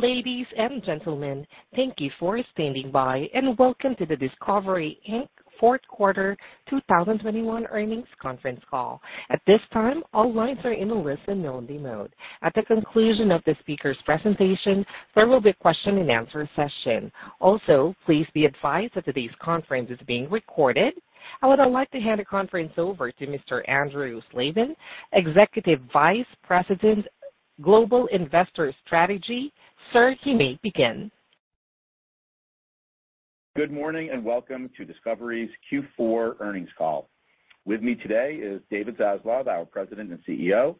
Ladies and gentlemen, thank you for standing by and welcome to the Discovery, Inc. Fourth Quarter 2021 earnings conference call. At this time, all lines are in a listen-only mode. At the conclusion of the speaker's presentation, there will be a question-and-answer session. Also, please be advised that today's conference is being recorded. I would now like to hand the conference over to Mr. Andrew Slabin, Executive Vice President, Global Investor Strategy. Sir, you may begin. Good morning and welcome to Discovery's Q4 earnings call. With me today is David Zaslav, our President and CEO,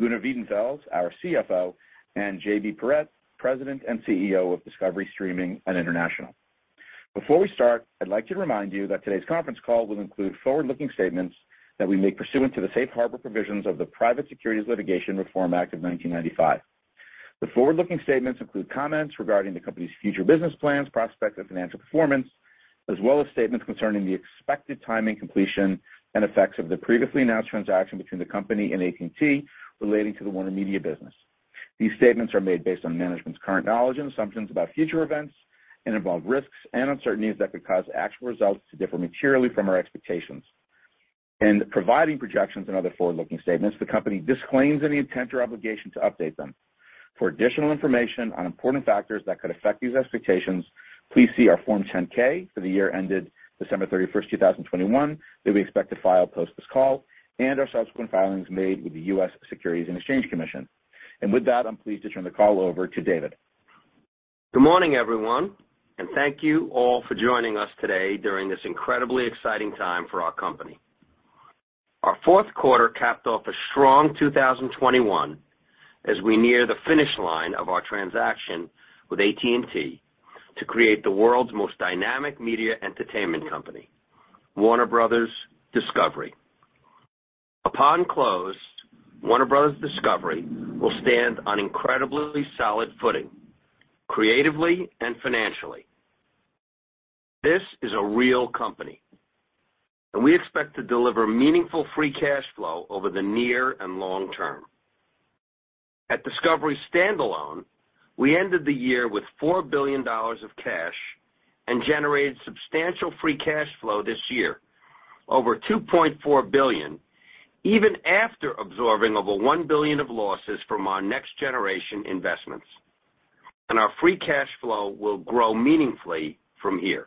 Gunnar Wiedenfels, our CFO, and JB Perrette, President and CEO of Discovery Streaming and International. Before we start, I'd like to remind you that today's conference call will include forward-looking statements that we make pursuant to the safe harbor provisions of the Private Securities Litigation Reform Act of 1995. The forward-looking statements include comments regarding the company's future business plans, prospects, and financial performance, as well as statements concerning the expected timing, completion, and effects of the previously announced transaction between the company and AT&T relating to the WarnerMedia business. These statements are made based on management's current knowledge and assumptions about future events and involve risks and uncertainties that could cause actual results to differ materially from our expectations. In providing projections and other forward-looking statements, the company disclaims any intent or obligation to update them. For additional information on important factors that could affect these expectations, please see our Form 10-K for the year ended December 31st, 2021 that we expect to file post this call and our subsequent filings made with the U.S. Securities and Exchange Commission. With that, I'm pleased to turn the call over to David. Good morning, everyone, and thank you all for joining us today during this incredibly exciting time for our company. Our fourth quarter capped off a strong 2021 as we near the finish line of our transaction with AT&T to create the world's most dynamic media entertainment company, Warner Bros. Discovery. Upon close, Warner Bros. Discovery will stand on incredibly solid footing, creatively and financially. This is a real company, and we expect to deliver meaningful free cash flow over the near and long term. At Discovery standalone, we ended the year with $4 billion of cash and generated substantial free cash flow this year, over $2.4 billion, even after absorbing over $1 billion of losses from our next generation investments. Our free cash flow will grow meaningfully from here.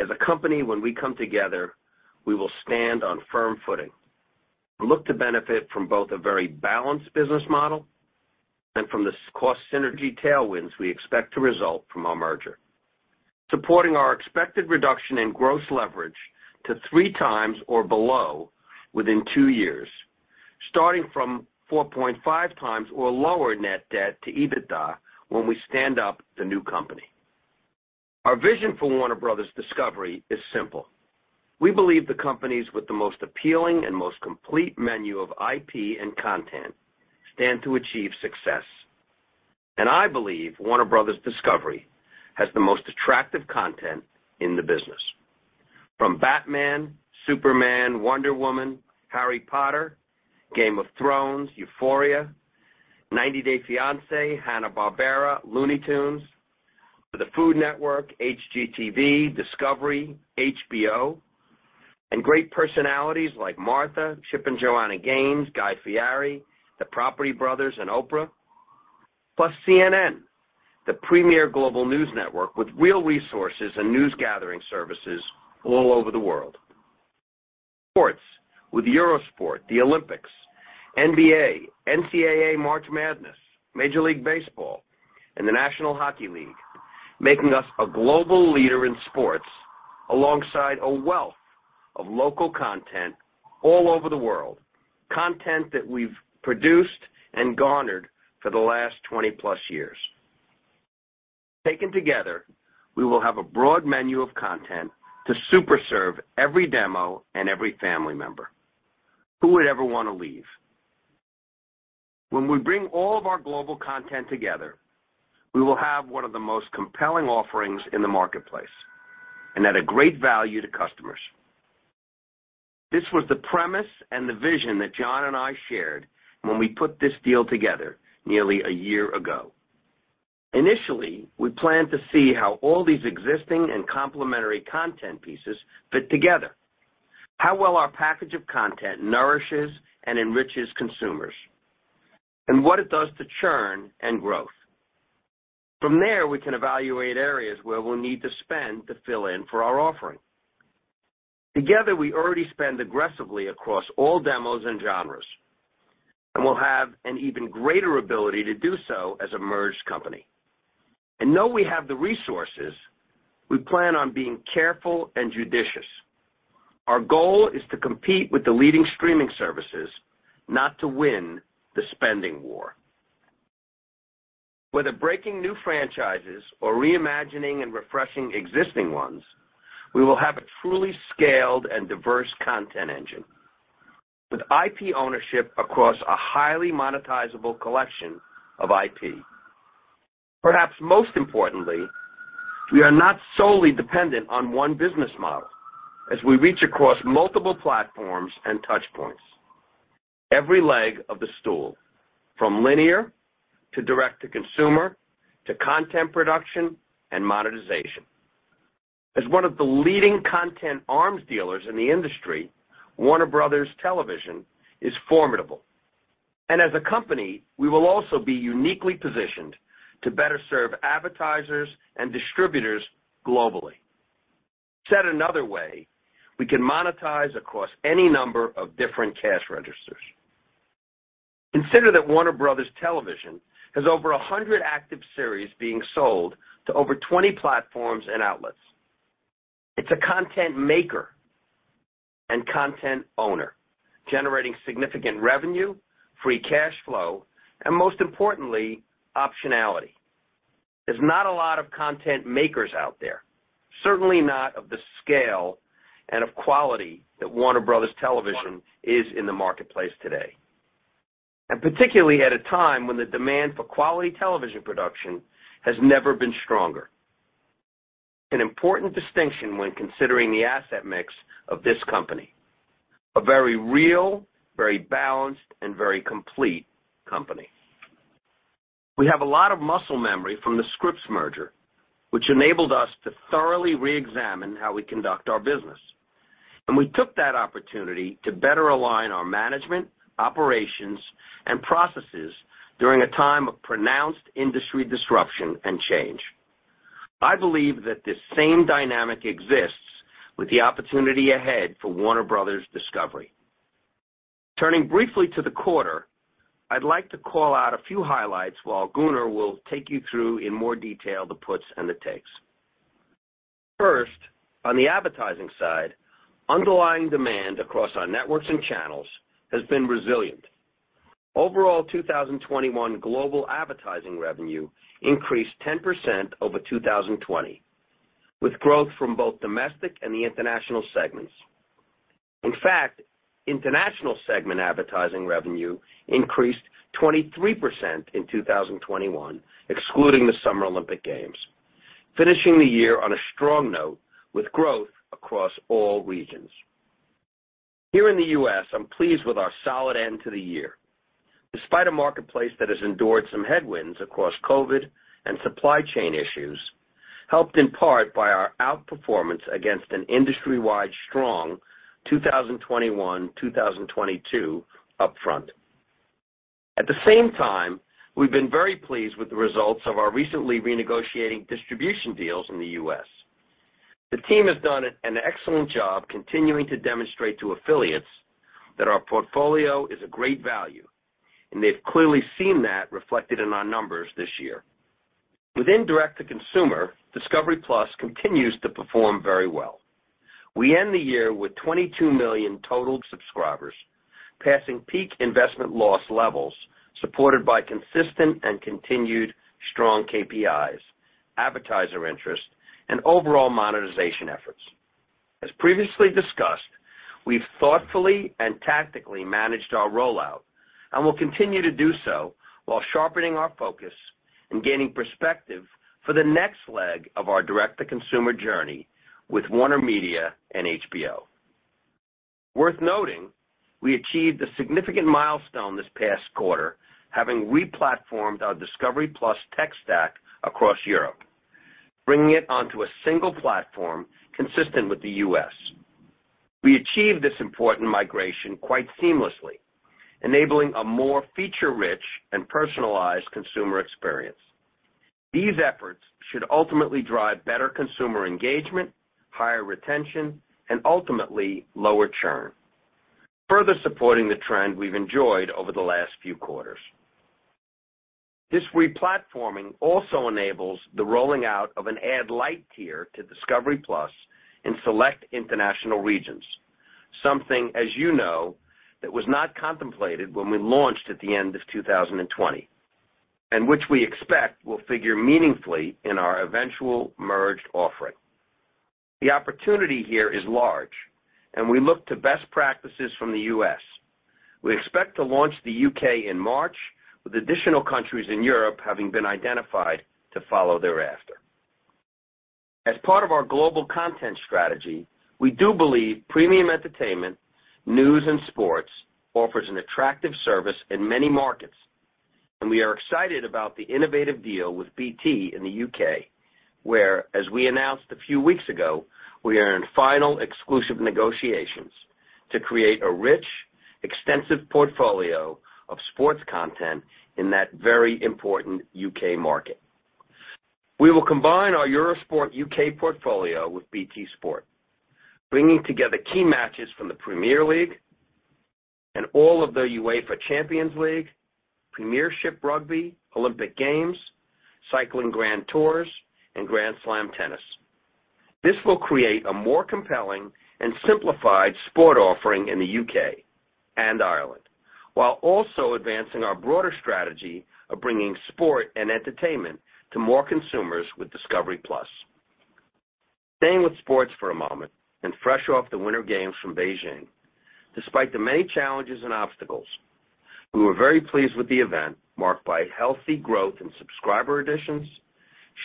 As a company, when we come together, we will stand on firm footing and look to benefit from both a very balanced business model and from the cost synergy tailwinds we expect to result from our merger, supporting our expected reduction in gross leverage to 3x or below within thir years, starting from 4.5x or lower net debt to EBITDA when we stand up the new company. Our vision for Warner Bros. Discovery is simple. We believe the companies with the most appealing and most complete menu of IP and content stand to achieve success. I believe Warner Bros. Discovery has the most attractive content in the business. From Batman, Superman, Wonder Woman, Harry Potter, Game of Thrones, Euphoria, 90 Day Fiancé, Hanna-Barbera, Looney Tunes, to the Food Network, HGTV, Discovery, HBO, and great personalities like Martha, Chip and Joanna Gaines, Guy Fieri, the Property Brothers, and Oprah. Plus CNN, the premier global news network with real resources and news gathering services all over the world. Sports with Eurosport, the Olympics, NBA, NCAA March Madness, Major League Baseball, and the National Hockey League, making us a global leader in sports alongside a wealth of local content all over the world, content that we've produced and garnered for the last 20-plus years. Taken together, we will have a broad menu of content to super serve every demo and every family member. Who would ever wanna leave? When we bring all of our global content together, we will have one of the most compelling offerings in the marketplace and at a great value to customers. This was the premise and the vision that John and I shared when we put this deal together nearly a year ago. Initially, we planned to see how all these existing and complementary content pieces fit together, how well our package of content nourishes and enriches consumers, and what it does to churn and growth. From there, we can evaluate areas where we'll need to spend to fill in for our offering. Together, we already spend aggressively across all demos and genres, and we'll have an even greater ability to do so as a merged company. Now we have the resources, we plan on being careful and judicious. Our goal is to compete with the leading streaming services, not to win the spending war. Whether breaking new franchises or reimagining and refreshing existing ones, we will have a truly scaled and diverse content engine with IP ownership across a highly monetizable collection of IP. Perhaps most importantly, we are not solely dependent on one business model as we reach across multiple platforms and touch points. Every leg of the stool, from linear to direct-to-consumer to content production and monetization. As one of the leading content arms dealers in the industry, Warner Bros. Television is formidable. As a company, we will also be uniquely positioned to better serve advertisers and distributors globally. Said another way, we can monetize across any number of different cash registers. Consider that Warner Bros. Television has over 100 active series being sold to over 20 platforms and outlets. It's a content maker and content owner, generating significant revenue, free cash flow, and most importantly, optionality. There's not a lot of content makers out there, certainly not of the scale and of quality that Warner Bros. Television is in the marketplace today, and particularly at a time when the demand for quality television production has never been stronger. An important distinction when considering the asset mix of this company. A very real, very balanced, and very complete company. We have a lot of muscle memory from the Scripps merger, which enabled us to thoroughly reexamine how we conduct our business, and we took that opportunity to better align our management, operations, and processes during a time of pronounced industry disruption and change. I believe that this same dynamic exists with the opportunity ahead for Warner Bros. Discovery. Turning briefly to the quarter, I'd like to call out a few highlights while Gunnar will take you through in more detail the puts and the takes. First, on the advertising side, underlying demand across our networks and channels has been resilient. Overall, 2021 global advertising revenue increased 10% over 2020, with growth from both domestic and the international segments. In fact, international segment advertising revenue increased 23% in 2021, excluding the Summer Olympic Games, finishing the year on a strong note with growth across all regions. Here in the U.S., I'm pleased with our solid end to the year. Despite a marketplace that has endured some headwinds across COVID and supply chain issues, helped in part by our outperformance against an industry-wide strong 2021, 2022 upfront. At the same time, we've been very pleased with the results of our recently renegotiating distribution deals in the U.S. The team has done an excellent job continuing to demonstrate to affiliates that our portfolio is a great value, and they've clearly seen that reflected in our numbers this year. Within direct-to-consumer, discovery+ continues to perform very well. We end the year with 22 million total subscribers, passing peak investment loss levels supported by consistent and continued strong KPIs, advertiser interest, and overall monetization efforts. As previously discussed, we've thoughtfully and tactically managed our rollout and will continue to do so while sharpening our focus and gaining perspective for the next leg of our direct-to-consumer journey with WarnerMedia and HBO. Worth noting, we achieved a significant milestone this past quarter, having replatformed our discovery+ tech stack across Europe, bringing it onto a single platform consistent with the U.S. We achieved this important migration quite seamlessly, enabling a more feature-rich and personalized consumer experience. These efforts should ultimately drive better consumer engagement, higher retention, and ultimately lower churn, further supporting the trend we've enjoyed over the last few quarters. This replatforming also enables the rolling out of an ad light tier to discovery+ in select international regions. Something, as you know, that was not contemplated when we launched at the end of 2020, and which we expect will figure meaningfully in our eventual merged offering. The opportunity here is large, and we look to best practices from the U.S. We expect to launch the U.K. in March, with additional countries in Europe having been identified to follow thereafter. As part of our global content strategy, we do believe premium entertainment, news, and sports offers an attractive service in many markets, and we are excited about the innovative deal with BT in the U.K., where, as we announced a few weeks ago, we are in final exclusive negotiations to create a rich, extensive portfolio of sports content in that very important U.K. market. We will combine our Eurosport U.K. portfolio with BT Sport, bringing together key matches from the Premier League and all of the UEFA Champions League, Premiership Rugby, Olympic Games, Cycling Grand Tours, and Grand Slam Tennis. This will create a more compelling and simplified sport offering in the U.K. and Ireland, while also advancing our broader strategy of bringing sport and entertainment to more consumers with discovery+. Staying with sports for a moment and fresh off the Winter Games from Beijing. Despite the many challenges and obstacles, we were very pleased with the event marked by healthy growth in subscriber additions,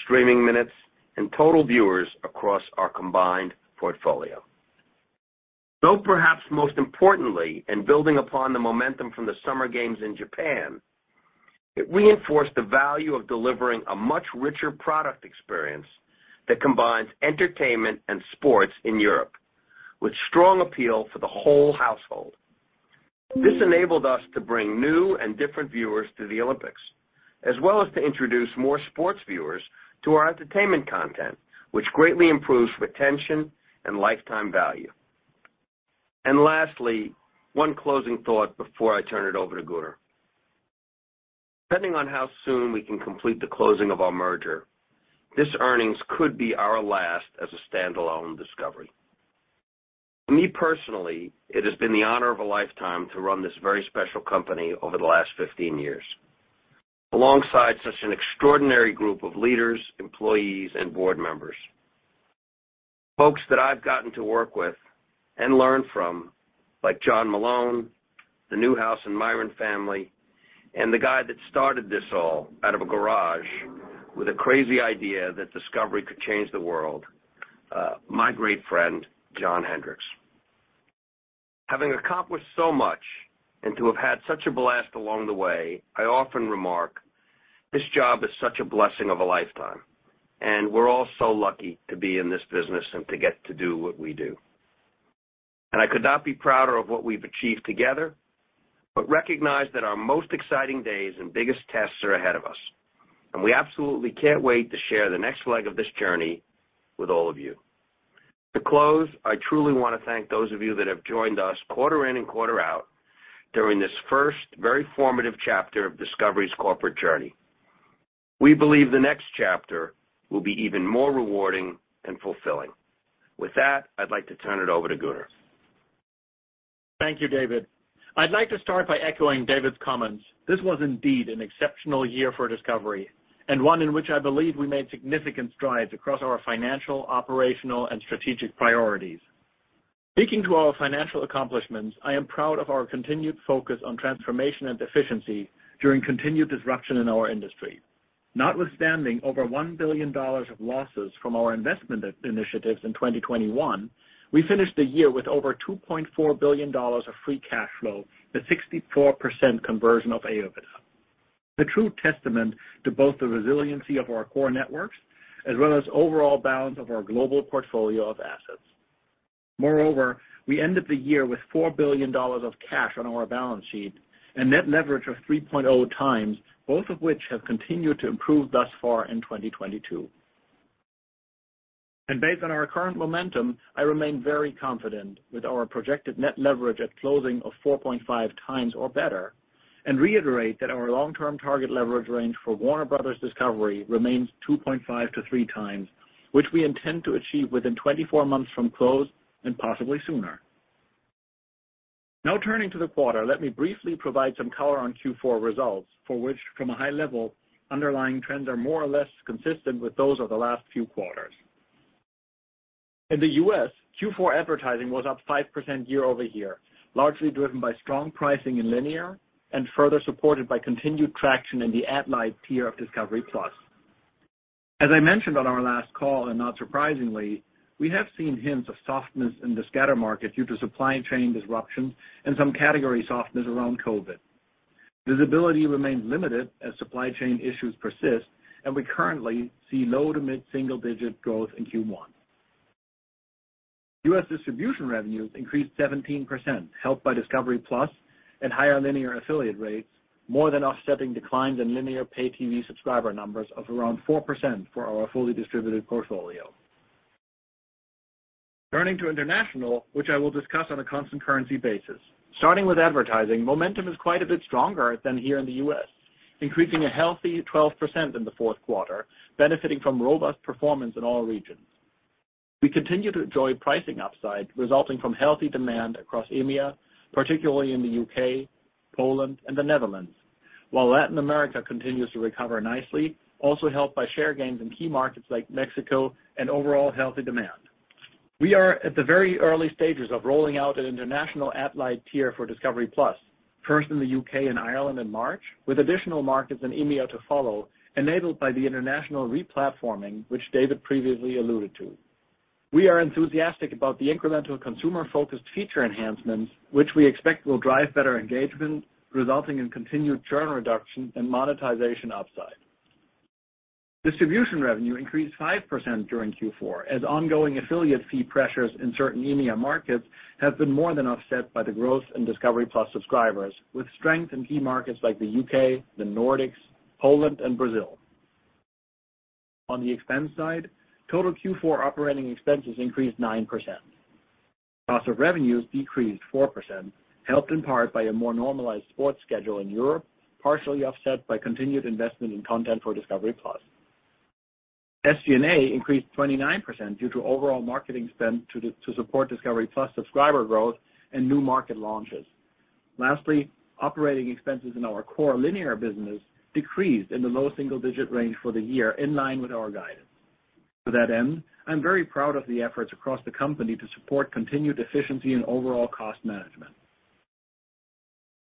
streaming minutes, and total viewers across our combined portfolio. Though perhaps most importantly, in building upon the momentum from the Summer Games in Japan, it reinforced the value of delivering a much richer product experience that combines entertainment and sports in Europe, with strong appeal for the whole household. This enabled us to bring new and different viewers to the Olympics, as well as to introduce more sports viewers to our entertainment content, which greatly improves retention and lifetime value. Lastly, one closing thought before I turn it over to Gunnar. Depending on how soon we can complete the closing of our merger, this earnings could be our last as a standalone Discovery. For me personally, it has been the honor of a lifetime to run this very special company over the last 15 years, alongside such an extraordinary group of leaders, employees, and board members. Folks that I've gotten to work with and learn from, like John Malone, the Newhouse and Miron family, and the guy that started this all out of a garage with a crazy idea that Discovery could change the world, my great friend, John Hendricks. Having accomplished so much and to have had such a blast along the way, I often remark, this job is such a blessing of a lifetime, and we're all so lucky to be in this business and to get to do what we do. I could not be prouder of what we've achieved together, but recognize that our most exciting days and biggest tests are ahead of us, and we absolutely can't wait to share the next leg of this journey with all of you. To close, I truly want to thank those of you that have joined us quarter in and quarter out during this first very formative chapter of Discovery's corporate journey. We believe the next chapter will be even more rewarding and fulfilling. With that, I'd like to turn it over to Gunnar. Thank you, David. I'd like to start by echoing David's comments. This was indeed an exceptional year for Discovery, and one in which I believe we made significant strides across our financial, operational and strategic priorities. Speaking to our financial accomplishments, I am proud of our continued focus on transformation and efficiency during continued disruption in our industry. Notwithstanding over $1 billion of losses from our investment initiatives in 2021, we finished the year with over $2.4 billion of free cash flow, the 64% conversion of Adjusted OIBDA. The true testament to both the resiliency of our core networks as well as overall balance of our global portfolio of assets. Moreover, we ended the year with $4 billion of cash on our balance sheet and net leverage of 3.0x, both of which have continued to improve thus far in 2022. Based on our current momentum, I remain very confident with our projected net leverage at closing of 4.5x or better, and reiterate that our long-term target leverage range for Warner Bros. Discovery remains 2.5x-3x, which we intend to achieve within 24 months from close, and possibly sooner. Now turning to the quarter, let me briefly provide some color on Q4 results, for which from a high level, underlying trends are more or less consistent with those of the last few quarters. In the U.S., Q4 advertising was up 5% year-over-year, largely driven by strong pricing in linear and further supported by continued traction in the ad light tier of discovery+. As I mentioned on our last call, and not surprisingly, we have seen hints of softness in the scatter market due to supply chain disruptions and some category softness around COVID. Visibility remains limited as supply chain issues persist and we currently see low- to mid-single-digit growth in Q1. U.S. distribution revenues increased 17%, helped by discovery+ and higher linear affiliate rates, more than offsetting declines in linear pay TV subscriber numbers of around 4% for our fully distributed portfolio. Turning to international, which I will discuss on a constant currency basis. Starting with advertising, momentum is quite a bit stronger than here in the U.S., increasing a healthy 12% in the fourth quarter, benefiting from robust performance in all regions. We continue to enjoy pricing upside resulting from healthy demand across EMEA, particularly in the U.K., Poland and the Netherlands. While Latin America continues to recover nicely, also helped by share gains in key markets like Mexico and overall healthy demand. We are at the very early stages of rolling out an international ad light tier for discovery+, first in the U.K. and Ireland in March, with additional markets in EMEA to follow, enabled by the international replatforming which David previously alluded to. We are enthusiastic about the incremental consumer-focused feature enhancements which we expect will drive better engagement, resulting in continued churn reduction and monetization upside. Distribution revenue increased 5% during Q4 as ongoing affiliate fee pressures in certain EMEA markets have been more than offset by the growth in discovery+ subscribers with strength in key markets like the U.K., the Nordics, Poland and Brazil. On the expense side, total Q4 operating expenses increased 9%. Cost of revenues decreased 4%, helped in part by a more normalized sports schedule in Europe, partially offset by continued investment in content for discovery+. SG&A increased 29% due to overall marketing spend to support discovery+ subscriber growth and new market launches. Lastly, operating expenses in our core linear business decreased in the low single-digit range for the year, in line with our guidance. To that end, I'm very proud of the efforts across the company to support continued efficiency and overall cost management.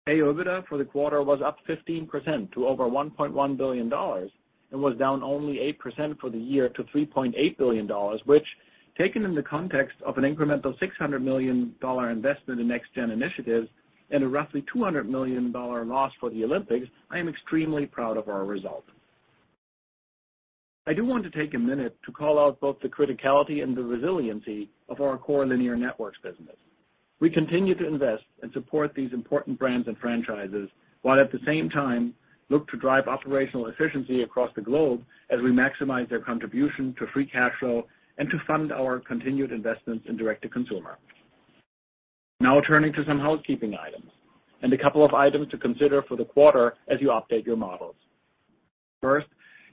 Adjusted OIBDA for the quarter was up 15% to over $1.1 billion and was down only 8% for the year to $3.8 billion, which taken in the context of an incremental $600 million investment in next-gen initiatives and a roughly $200 million loss for the Olympics, I am extremely proud of our results. I do want to take a minute to call out both the criticality and the resiliency of our core linear networks business. We continue to invest and support these important brands and franchises, while at the same time look to drive operational efficiency across the globe as we maximize their contribution to free cash flow and to fund our continued investments in direct to consumer. Now turning to some housekeeping items and a couple of items to consider for the quarter as you update your models. First,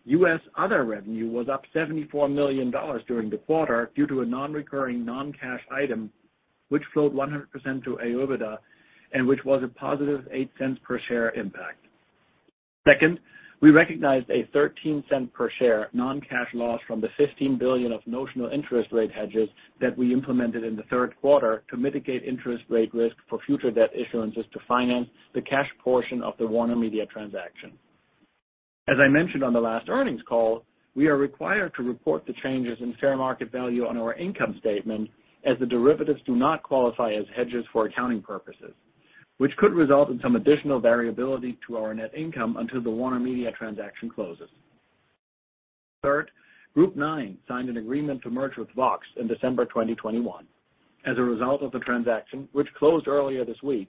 U.S. other revenue was up $74 million during the quarter due to a non-recurring, non-cash item, which flowed 100% to Adjusted OIBDA and which was a +$0.08 per share impact. Second, we recognized a -$0.13 per share non-cash loss from the $15 billion of notional interest rate hedges that we implemented in the third quarter to mitigate interest rate risk for future debt issuances to finance the cash portion of the WarnerMedia transaction. As I mentioned on the last earnings call, we are required to report the changes in fair market value on our income statement as the derivatives do not qualify as hedges for accounting purposes, which could result in some additional variability to our net income until the WarnerMedia transaction closes. Third, Group Nine Media signed an agreement to merge with Vox Media in December 2021. As a result of the transaction, which closed earlier this week,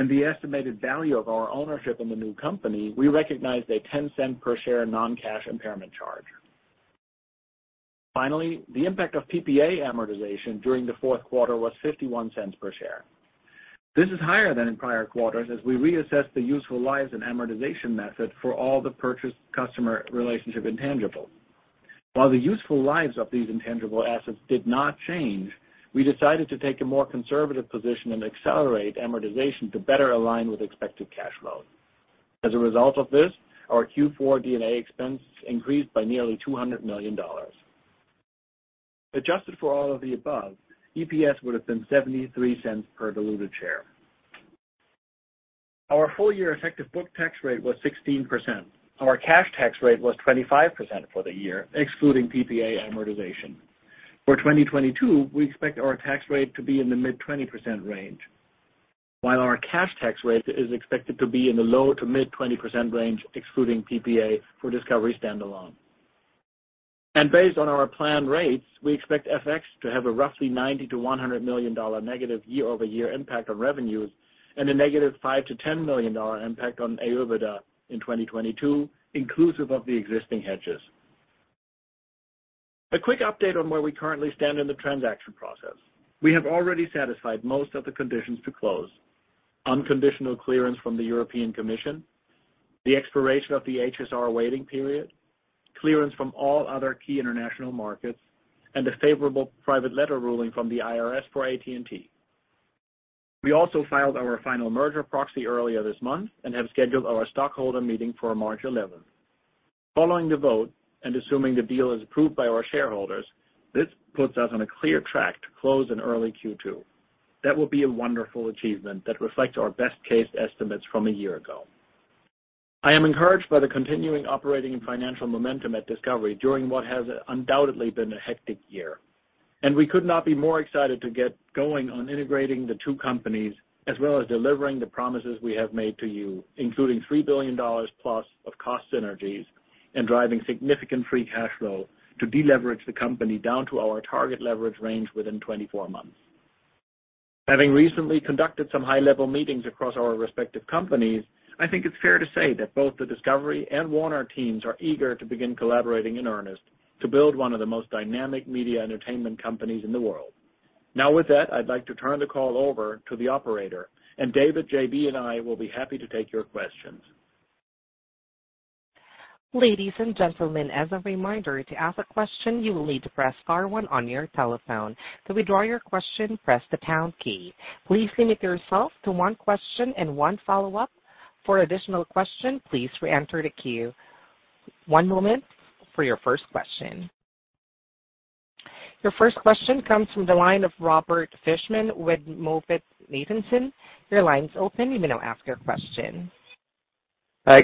and the estimated value of our ownership in the new company, we recognized a $0.10 per share non-cash impairment charge. Finally, the impact of PPA amortization during the fourth quarter was $0.51 per share. This is higher than in prior quarters as we reassess the useful lives and amortization method for all the purchased customer relationship intangibles. While the useful lives of these intangible assets did not change, we decided to take a more conservative position and accelerate amortization to better align with expected cash flow. As a result of this, our Q4 D&A expense increased by nearly $200 million. Adjusted for all of the above, EPS would have been $0.73 per diluted share. Our full year effective book tax rate was 16%. Our cash tax rate was 25% for the year, excluding PPA amortization. For 2022, we expect our tax rate to be in the mid-20% range, while our cash tax rate is expected to be in the low- to mid-20% range, excluding PPA for Discovery standalone. Based on our planned rates, we expect FX to have a roughly $90 million-$100 million negative year-over-year impact on revenues and a negative $5 million-$10 million impact on Adjusted OIBDA in 2022, inclusive of the existing hedges. A quick update on where we currently stand in the transaction process. We have already satisfied most of the conditions to close. Unconditional clearance from the European Commission, the expiration of the HSR waiting period, clearance from all other key international markets, and a favorable private letter ruling from the IRS for AT&T. We also filed our final merger proxy earlier this month and have scheduled our stockholder meeting for March eleventh. Following the vote, and assuming the deal is approved by our shareholders, this puts us on a clear track to close in early Q2. That will be a wonderful achievement that reflects our best case estimates from a year ago. I am encouraged by the continuing operating and financial momentum at Discovery during what has undoubtedly been a hectic year. We could not be more excited to get going on integrating the two companies, as well as delivering the promises we have made to you, including $3 billion plus of cost synergies and driving significant free cash flow to deleverage the company down to our target leverage range within 24 months. Having recently conducted some high-level meetings across our respective companies, I think it's fair to say that both the Discovery and Warner teams are eager to begin collaborating in earnest to build one of the most dynamic media entertainment companies in the world. Now with that, I'd like to turn the call over to the operator. David, JB, and I will be happy to take your questions. Ladies and gentlemen, as a reminder, to ask a question, you will need to press star one on your telephone. To withdraw your question, press the pound key. Please limit yourself to one question and one follow-up. For additional question, please reenter the queue. One moment for your first question. Your first question comes from the line of Robert Fishman with MoffettNathanson. Your line's open. You may now ask your question. Okay.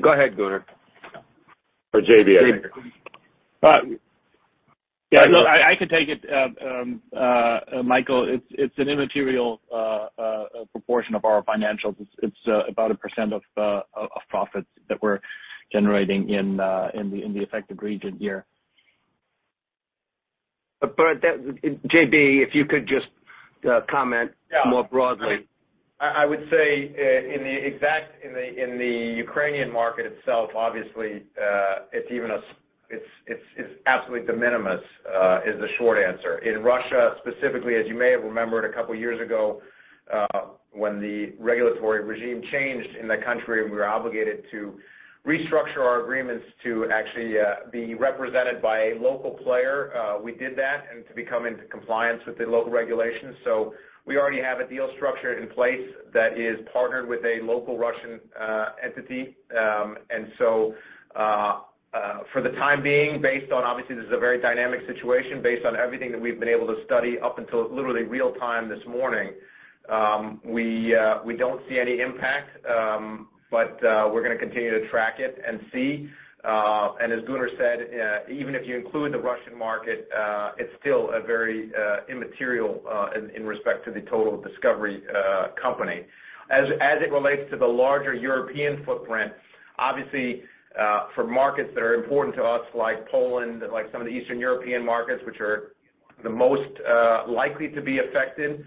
Go ahead, Gunnar. JB. JB. Yeah, I can take it, Michael. It's an immaterial proportion of our financials. It's about 1% of profits that we're generating in the affected region here. J.B., if you could just comment. Yeah. more broadly. I would say in the Ukrainian market itself, obviously, it's absolutely de minimis, is the short answer. In Russia, specifically, as you may have remembered a couple years ago, when the regulatory regime changed in that country and we were obligated to restructure our agreements to actually be represented by a local player, we did that and to become into compliance with the local regulations. We already have a deal structure in place that is partnered with a local Russian entity. For the time being, based on obviously this is a very dynamic situation, based on everything that we've been able to study up until literally real time this morning, we don't see any impact. We're gonna continue to track it and see. As Gunnar said, even if you include the Russian market, it's still a very immaterial in respect to the total Discovery company. It relates to the larger European footprint, obviously, for markets that are important to us, like Poland, like some of the Eastern European markets which are the most likely to be affected,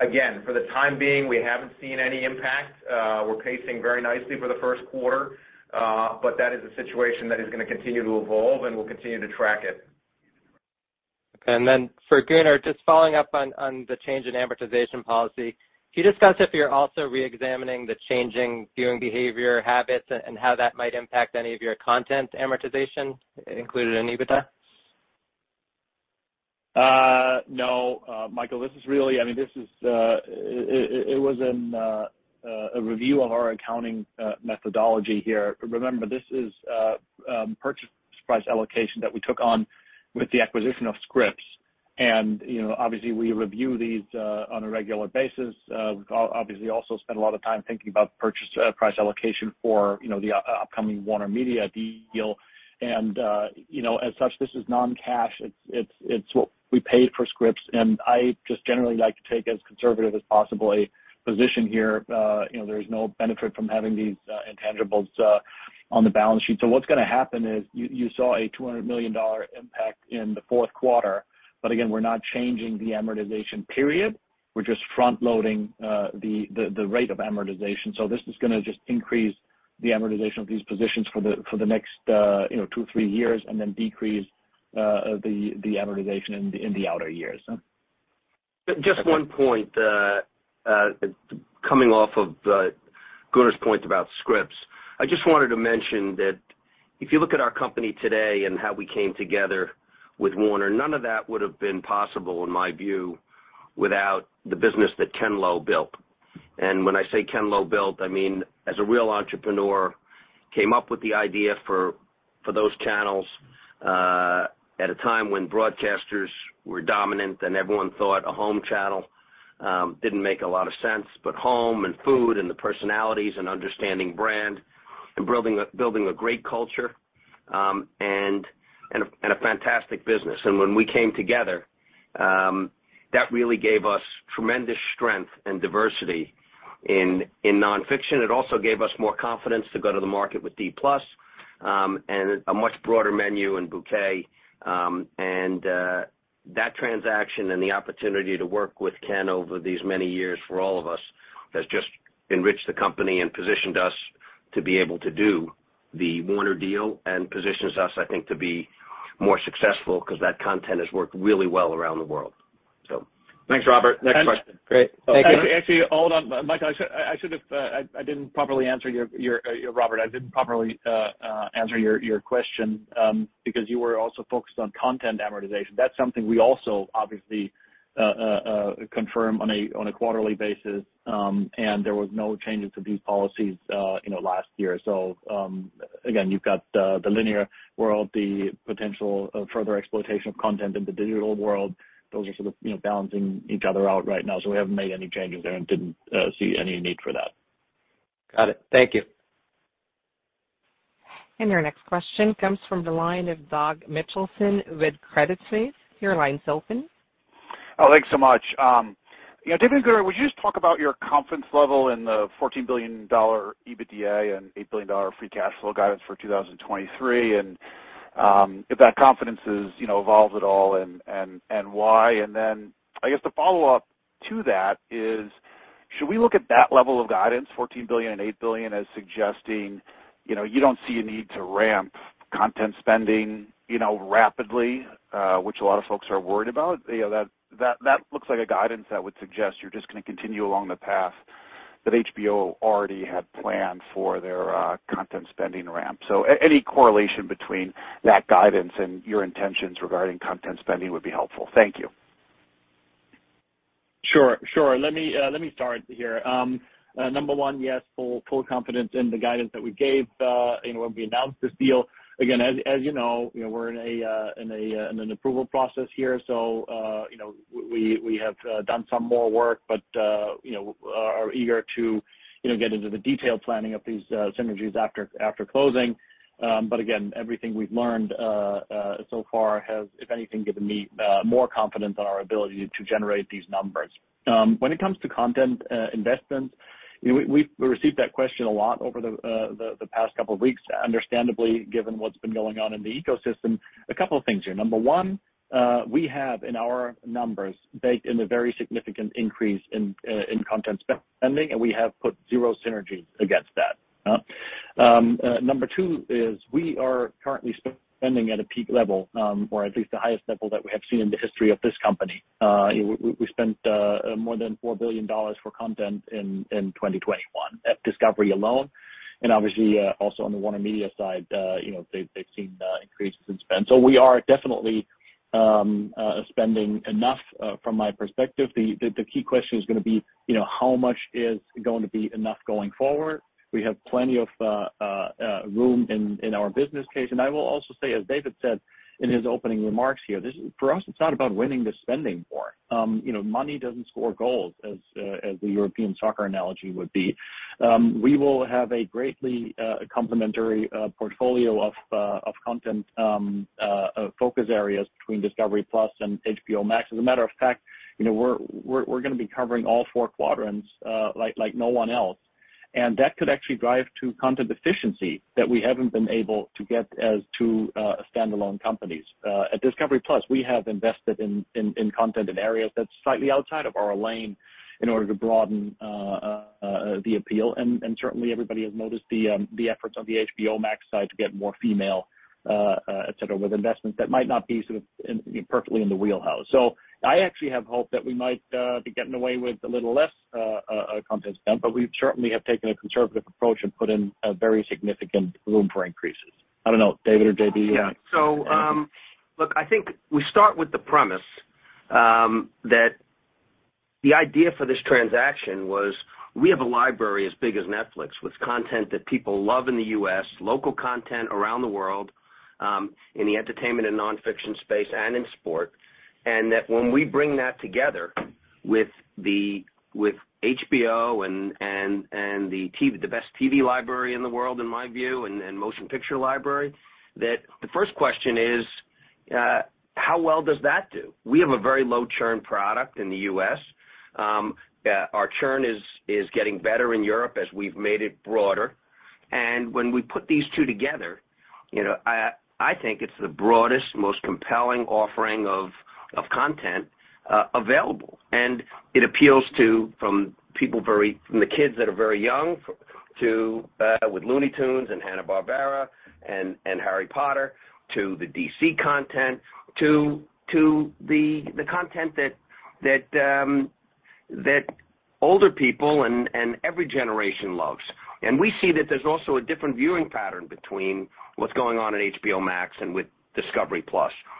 again, for the time being, we haven't seen any impact. We're pacing very nicely for the first quarter, but that is a situation that is gonna continue to evolve, and we'll continue to track it. Okay. For Gunnar, just following up on the change in amortization policy. Can you discuss if you're also re-examining the changing viewing behavior habits and how that might impact any of your content amortization included in EBITDA? Michael, it was in a review of our accounting methodology here. Remember, this is purchase price allocation that we took on with the acquisition of Scripps. You know, obviously, we review these on a regular basis. We obviously also spend a lot of time thinking about purchase price allocation for, you know, the upcoming WarnerMedia deal. You know, as such, this is non-cash. It's what we paid for Scripps. I just generally like to take as conservative as possible a position here. You know, there's no benefit from having these intangibles on the balance sheet. So what's gonna happen is you saw a $200 million impact in the fourth quarter, but again, we're not changing the amortization period. We're just front loading the rate of amortization. This is gonna just increase the amortization of these positions for the next, you know, two, three years and then decrease the amortization in the outer years, huh. Just one point, coming off of Gunnar's point about Scripps. I just wanted to mention that if you look at our company today and how we came together with Warner, none of that would've been possible, in my view, without the business that Ken Lowe built. When I say Ken Lowe built, I mean, as a real entrepreneur, came up with the idea for those channels at a time when broadcasters were dominant and everyone thought a home channel didn't make a lot of sense, but home and food and the personalities and understanding brand and building a great culture and a fantastic business. When we came together, that really gave us tremendous strength and diversity in non-fiction. It also gave us more confidence to go to the market with discovery+ and a much broader menu and bouquet. That transaction and the opportunity to work with Ken over these many years for all of us has just enriched the company and positioned us to be able to do the Warner deal and positions us, I think, to be more successful because that content has worked really well around the world. Thanks, Robert. Next question. Great. Thank you. Actually, hold on, Robert. I didn't properly answer your question, because you were also focused on content amortization. That's something we also obviously confirm on a quarterly basis, and there was no changes to these policies, you know, last year. Again, you've got the linear world, the potential of further exploitation of content in the digital world. Those are sort of, you know, balancing each other out right now. We haven't made any changes there and didn't see any need for that. Got it. Thank you. Your next question comes from the line of Doug Mitchelson with Credit Suisse. Your line's open. Oh, thanks so much. You know, David and Gunnar, would you just talk about your confidence level in the $14 billion EBITDA and $8 billion free cash flow guidance for 2023, and if that confidence is, you know, evolved at all and why? Then I guess the follow-up to that is should we look at that level of guidance, $14 billion and $8 billion, as suggesting, you know, you don't see a need to ramp content spending, you know, rapidly, which a lot of folks are worried about? You know, that looks like a guidance that would suggest you're just gonna continue along the path that HBO already had planned for their content spending ramp. Any correlation between that guidance and your intentions regarding content spending would be helpful. Thank you. Sure. Let me start here. Number one, yes, full confidence in the guidance that we gave, you know, when we announced this deal. Again, as you know, we're in an approval process here, so you know, we have done some more work, but you know, are eager to you know, get into the detailed planning of these synergies after closing. But again, everything we've learned so far has, if anything, given me more confidence in our ability to generate these numbers. When it comes to content investments, you know, we received that question a lot over the past couple of weeks, understandably, given what's been going on in the ecosystem. A couple of things here. Number one, we have in our numbers baked in a very significant increase in content spending, and we have put zero synergies against that. Number two is we are currently spending at a peak level, or at least the highest level that we have seen in the history of this company. We spent more than $4 billion for content in 2021 at Discovery alone, and obviously also on the WarnerMedia side, you know, they've seen increases in spend. We are definitely spending enough from my perspective. The key question is gonna be, you know, how much is going to be enough going forward? We have plenty of room in our business case. I will also say, as David said in his opening remarks here, this is for us, it's not about winning the spending war. You know, money doesn't score goals as the European soccer analogy would be. We will have a greatly complementary portfolio of content focus areas between discovery+ and HBO Max. As a matter of fact, you know, we're gonna be covering all four quadrants like no one else, and that could actually drive to content efficiency that we haven't been able to get as two standalone companies. At discovery+ we have invested in content in areas that's slightly outside of our lane in order to broaden the appeal. Certainly everybody has noticed the efforts on the HBO Max side to get more female, et cetera, with investments that might not be sort of in, perfectly in the wheelhouse. I actually have hope that we might be getting away with a little less content spend, but we certainly have taken a conservative approach and put in a very significant room for increases. I don't know, David or JD. Yeah. Look, I think we start with the premise that the idea for this transaction was we have a library as big as Netflix with content that people love in the U.S., local content around the world, in the entertainment and nonfiction space and in sport. That when we bring that together with HBO and the best TV library in the world, in my view, and motion picture library, the first question is, how well does that do? We have a very low churn product in the U.S. Our churn is getting better in Europe as we've made it broader. When we put these two together, you know, I think it's the broadest, most compelling offering of content available. It appeals to, from people very... from the kids that are very young to with Looney Tunes and Hanna-Barbera and Harry Potter to the DC content to the content that older people and every generation loves. We see that there's also a different viewing pattern between what's going on at HBO Max and with discovery+.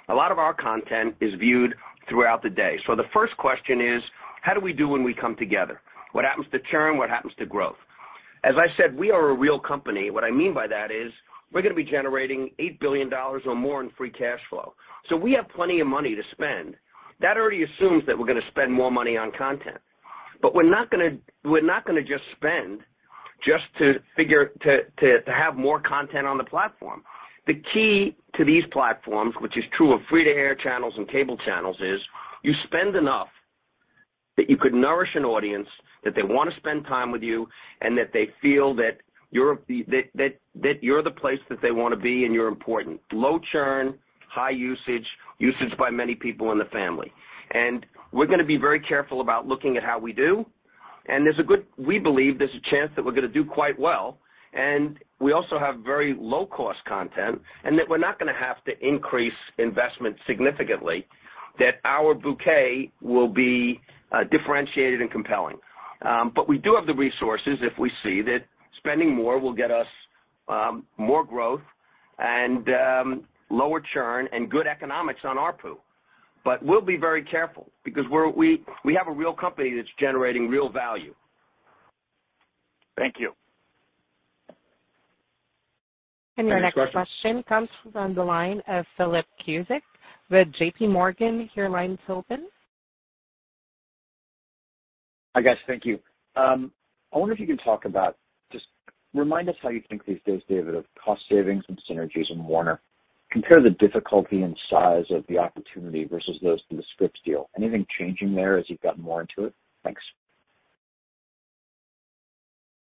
A lot of our content is viewed throughout the day. The first question is, how do we do when we come together? What happens to churn? What happens to growth? As I said, we are a real company. What I mean by that is we're gonna be generating $8 billion or more in free cash flow. We have plenty of money to spend. That already assumes that we're gonna spend more money on content, but we're not gonna just spend to have more content on the platform. The key to these platforms, which is true of free-to-air channels and cable channels, is you spend enough that you could nourish an audience, that they wanna spend time with you, and that they feel that you're the place that they wanna be and you're important. Low churn, high usage by many people in the family. We're gonna be very careful about looking at how we do, and we believe there's a chance that we're gonna do quite well. We also have very low cost content, and that we're not gonna have to increase investment significantly, that our bouquet will be differentiated and compelling. We do have the resources if we see that spending more will get us more growth and lower churn and good economics on ARPU. We'll be very careful because we have a real company that's generating real value. Thank you. Your next question comes from the line of Philip Cusick with JPMorgan. Your line's open. Hi, guys. Thank you. I wonder if you can talk about, just remind us how you think these days, David, of cost savings and synergies in Warner. Compare the difficulty and size of the opportunity versus those in the Scripps deal. Anything changing there as you've gotten more into it? Thanks.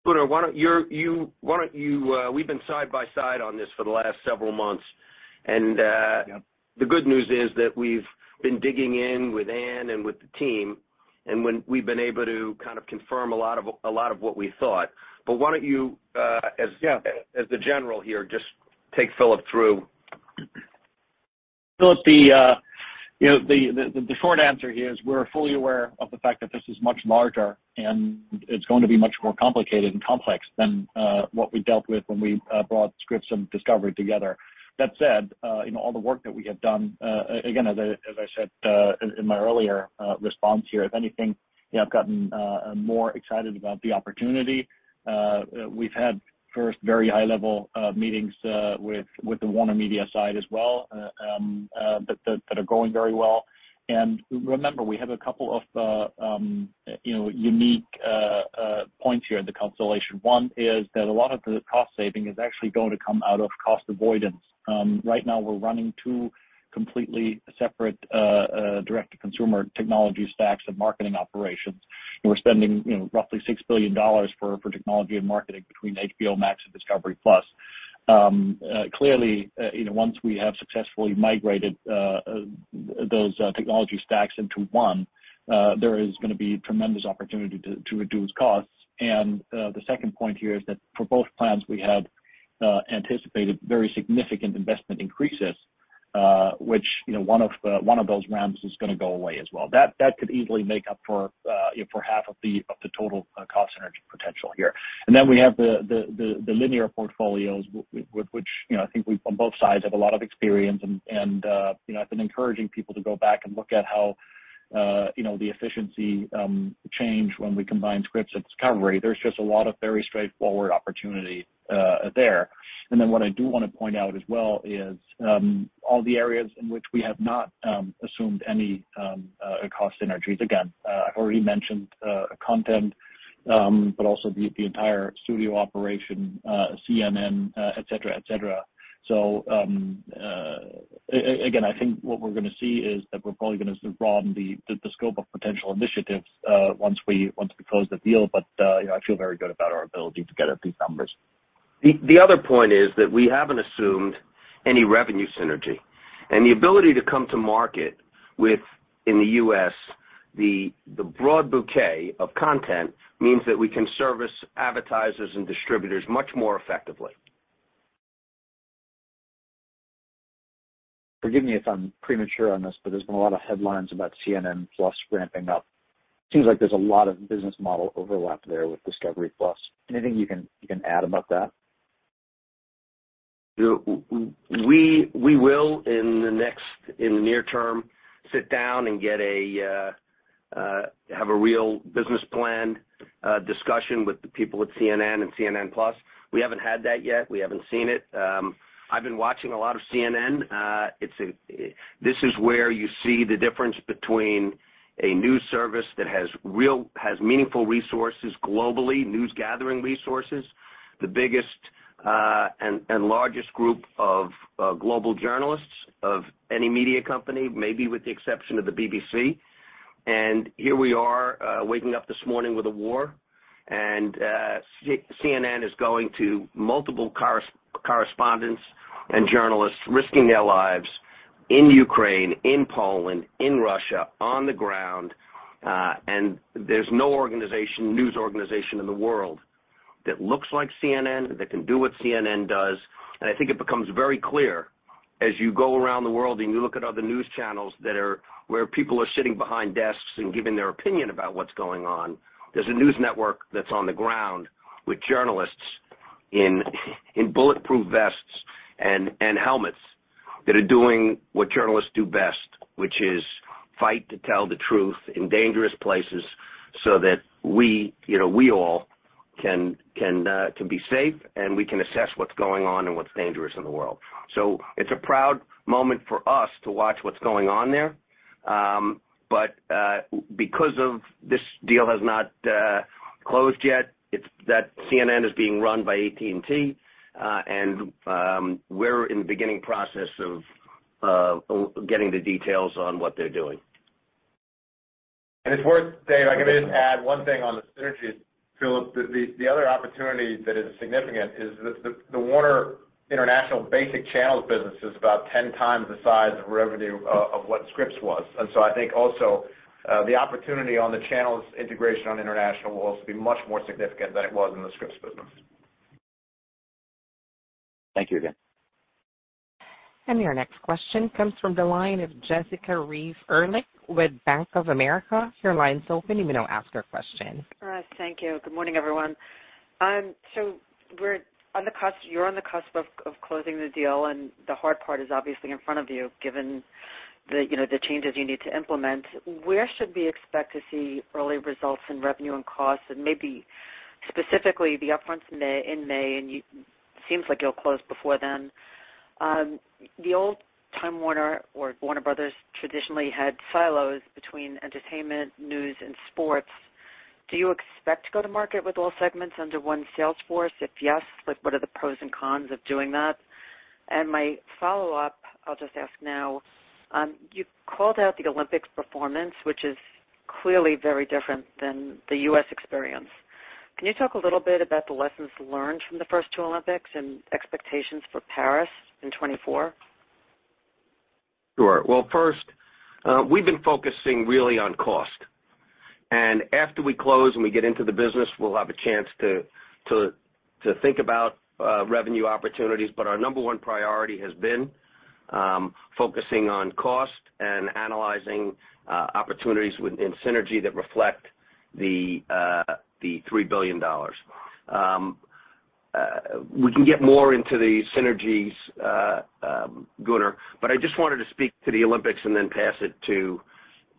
Gunnar, why don't you, we've been side by side on this for the last several months, and Yeah. The good news is that we've been digging in with Anne and with the team, and when we've been able to kind of confirm a lot of what we thought. Why don't you, Yeah. As the general here, just take Philip through. Philip, you know, the short answer here is we're fully aware of the fact that this is much larger, and it's going to be much more complicated and complex than what we dealt with when we brought Scripps and Discovery together. That said, you know, all the work that we have done, again, as I said in my earlier response here, if anything, you know, I've gotten more excited about the opportunity. We've had first very high-level meetings with the WarnerMedia side as well, that are going very well. Remember, we have a couple of, you know, unique points here in the consolidation. One is that a lot of the cost saving is actually going to come out of cost avoidance. Right now we're running two completely separate direct-to-consumer technology stacks and marketing operations. We're spending, you know, roughly $6 billion for technology and marketing between HBO Max and discovery+. Clearly, you know, once we have successfully migrated those technology stacks into one, there is gonna be tremendous opportunity to reduce costs. The second point here is that for both plans, we have anticipated very significant investment increases, which, you know, one of those ramps is gonna go away as well. That could easily make up for, you know, for half of the total cost synergy potential here. Then we have the linear portfolios with which, you know, I think we've on both sides have a lot of experience and, you know, I've been encouraging people to go back and look at how, you know, the efficiency change when we combine Scripps and Discovery. There's just a lot of very straightforward opportunity there. What I do wanna point out as well is, again, I think what we're gonna see is that we're probably gonna broaden the scope of potential initiatives once we close the deal. You know, I feel very good about our ability to get at these numbers. The other point is that we haven't assumed any revenue synergy. The ability to come to market with, in the U.S., the broad bouquet of content means that we can service advertisers and distributors much more effectively. Forgive me if I'm premature on this, but there's been a lot of headlines about CNN+ ramping up. Seems like there's a lot of business model overlap there with discovery+. Anything you can add about that? We will, in the near term, sit down and have a real business plan discussion with the people at CNN and CNN+. We haven't had that yet. We haven't seen it. I've been watching a lot of CNN. This is where you see the difference between a news service that has meaningful resources globally, news gathering resources, the biggest and largest group of global journalists of any media company, maybe with the exception of the BBC. Here we are waking up this morning with a war, and CNN is going to multiple correspondents and journalists risking their lives in Ukraine, in Poland, in Russia, on the ground. There's no organization, news organization in the world that looks like CNN, that can do what CNN does. I think it becomes very clear as you go around the world and you look at other news channels where people are sitting behind desks and giving their opinion about what's going on. There's a news network that's on the ground with journalists in bulletproof vests and helmets that are doing what journalists do best, which is fight to tell the truth in dangerous places so that we, you know, we all can be safe, and we can assess what's going on and what's dangerous in the world. It's a proud moment for us to watch what's going on there. Because of this deal has not closed yet, it's that CNN is being run by AT&T. We're in the beginning process of getting the details on what they're doing. It's worth saying, if I can just add one thing on the synergies, Philip. The other opportunity that is significant is the Warner International basic channels business is about 10 times the size of revenue of what Scripps was. I think also, the opportunity on the channels integration on international will also be much more significant than it was in the Scripps business. Thank you again. Your next question comes from the line of Jessica Reif Ehrlich with Bank of America. Your line's open. You may now ask your question. All right. Thank you. Good morning, everyone. You're on the cusp of closing the deal, and the hard part is obviously in front of you, given the, you know, the changes you need to implement. Where should we expect to see early results in revenue and costs, and maybe specifically the upfronts in May? Seems like you'll close before then. The old WarnerMedia or Warner Bros. traditionally had silos between entertainment, news, and sports. Do you expect to go to market with all segments under one sales force? If yes, like, what are the pros and cons of doing that? My follow-up, I'll just ask now. You called out the Olympics performance, which is clearly very different than the U.S. experience. Can you talk a little bit about the lessons learned from the first two Olympics and expectations for Paris in 2024? Sure. Well, first, we've been focusing really on cost. After we close and we get into the business, we'll have a chance to think about revenue opportunities. Our number one priority has been focusing on cost and analyzing opportunities within synergy that reflect the $3 billion. We can get more into the synergies, Gunnar, but I just wanted to speak to the Olympics and then pass it to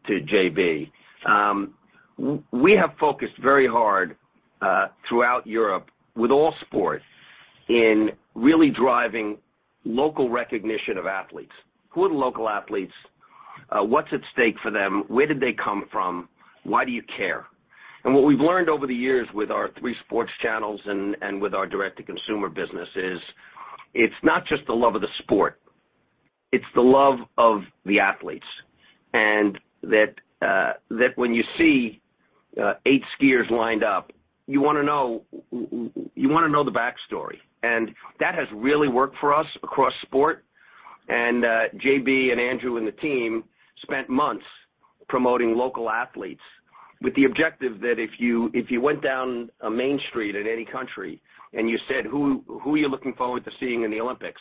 JB. We have focused very hard throughout Europe with all sports in really driving local recognition of athletes. Who are the local athletes? What's at stake for them? Where did they come from? Why do you care? What we've learned over the years with our three sports channels and with our direct-to-consumer business is it's not just the love of the sport It's the love of the athletes, and that when you see eight skiers lined up, you wanna know the backstory. That has really worked for us across sport. JB and Andrew and the team spent months promoting local athletes with the objective that if you went down a main street in any country and you said, "Who are you looking forward to seeing in the Olympics?"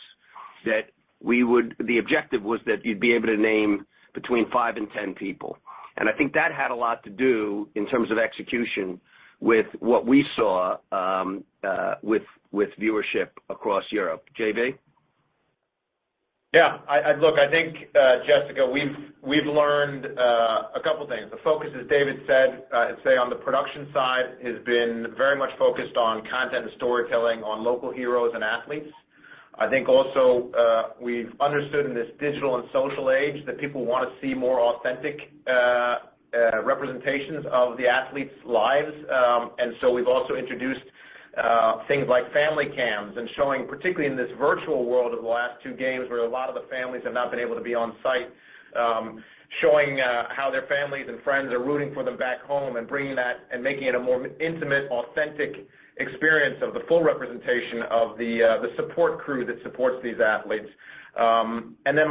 The objective was that you'd be able to name between five and 10 people. I think that had a lot to do in terms of execution with what we saw with viewership across Europe. JB? Yeah. Look, I think, Jessica, we've learned a couple things. The focus, as David said, I'd say on the production side has been very much focused on content and storytelling on local heroes and athletes. I think also, we've understood in this digital and social age that people wanna see more authentic representations of the athletes' lives. We've also introduced things like family cams and showing, particularly in this virtual world of the last two games where a lot of the families have not been able to be on site, showing how their families and friends are rooting for them back home and bringing that and making it a more intimate, authentic experience of the full representation of the support crew that supports these athletes.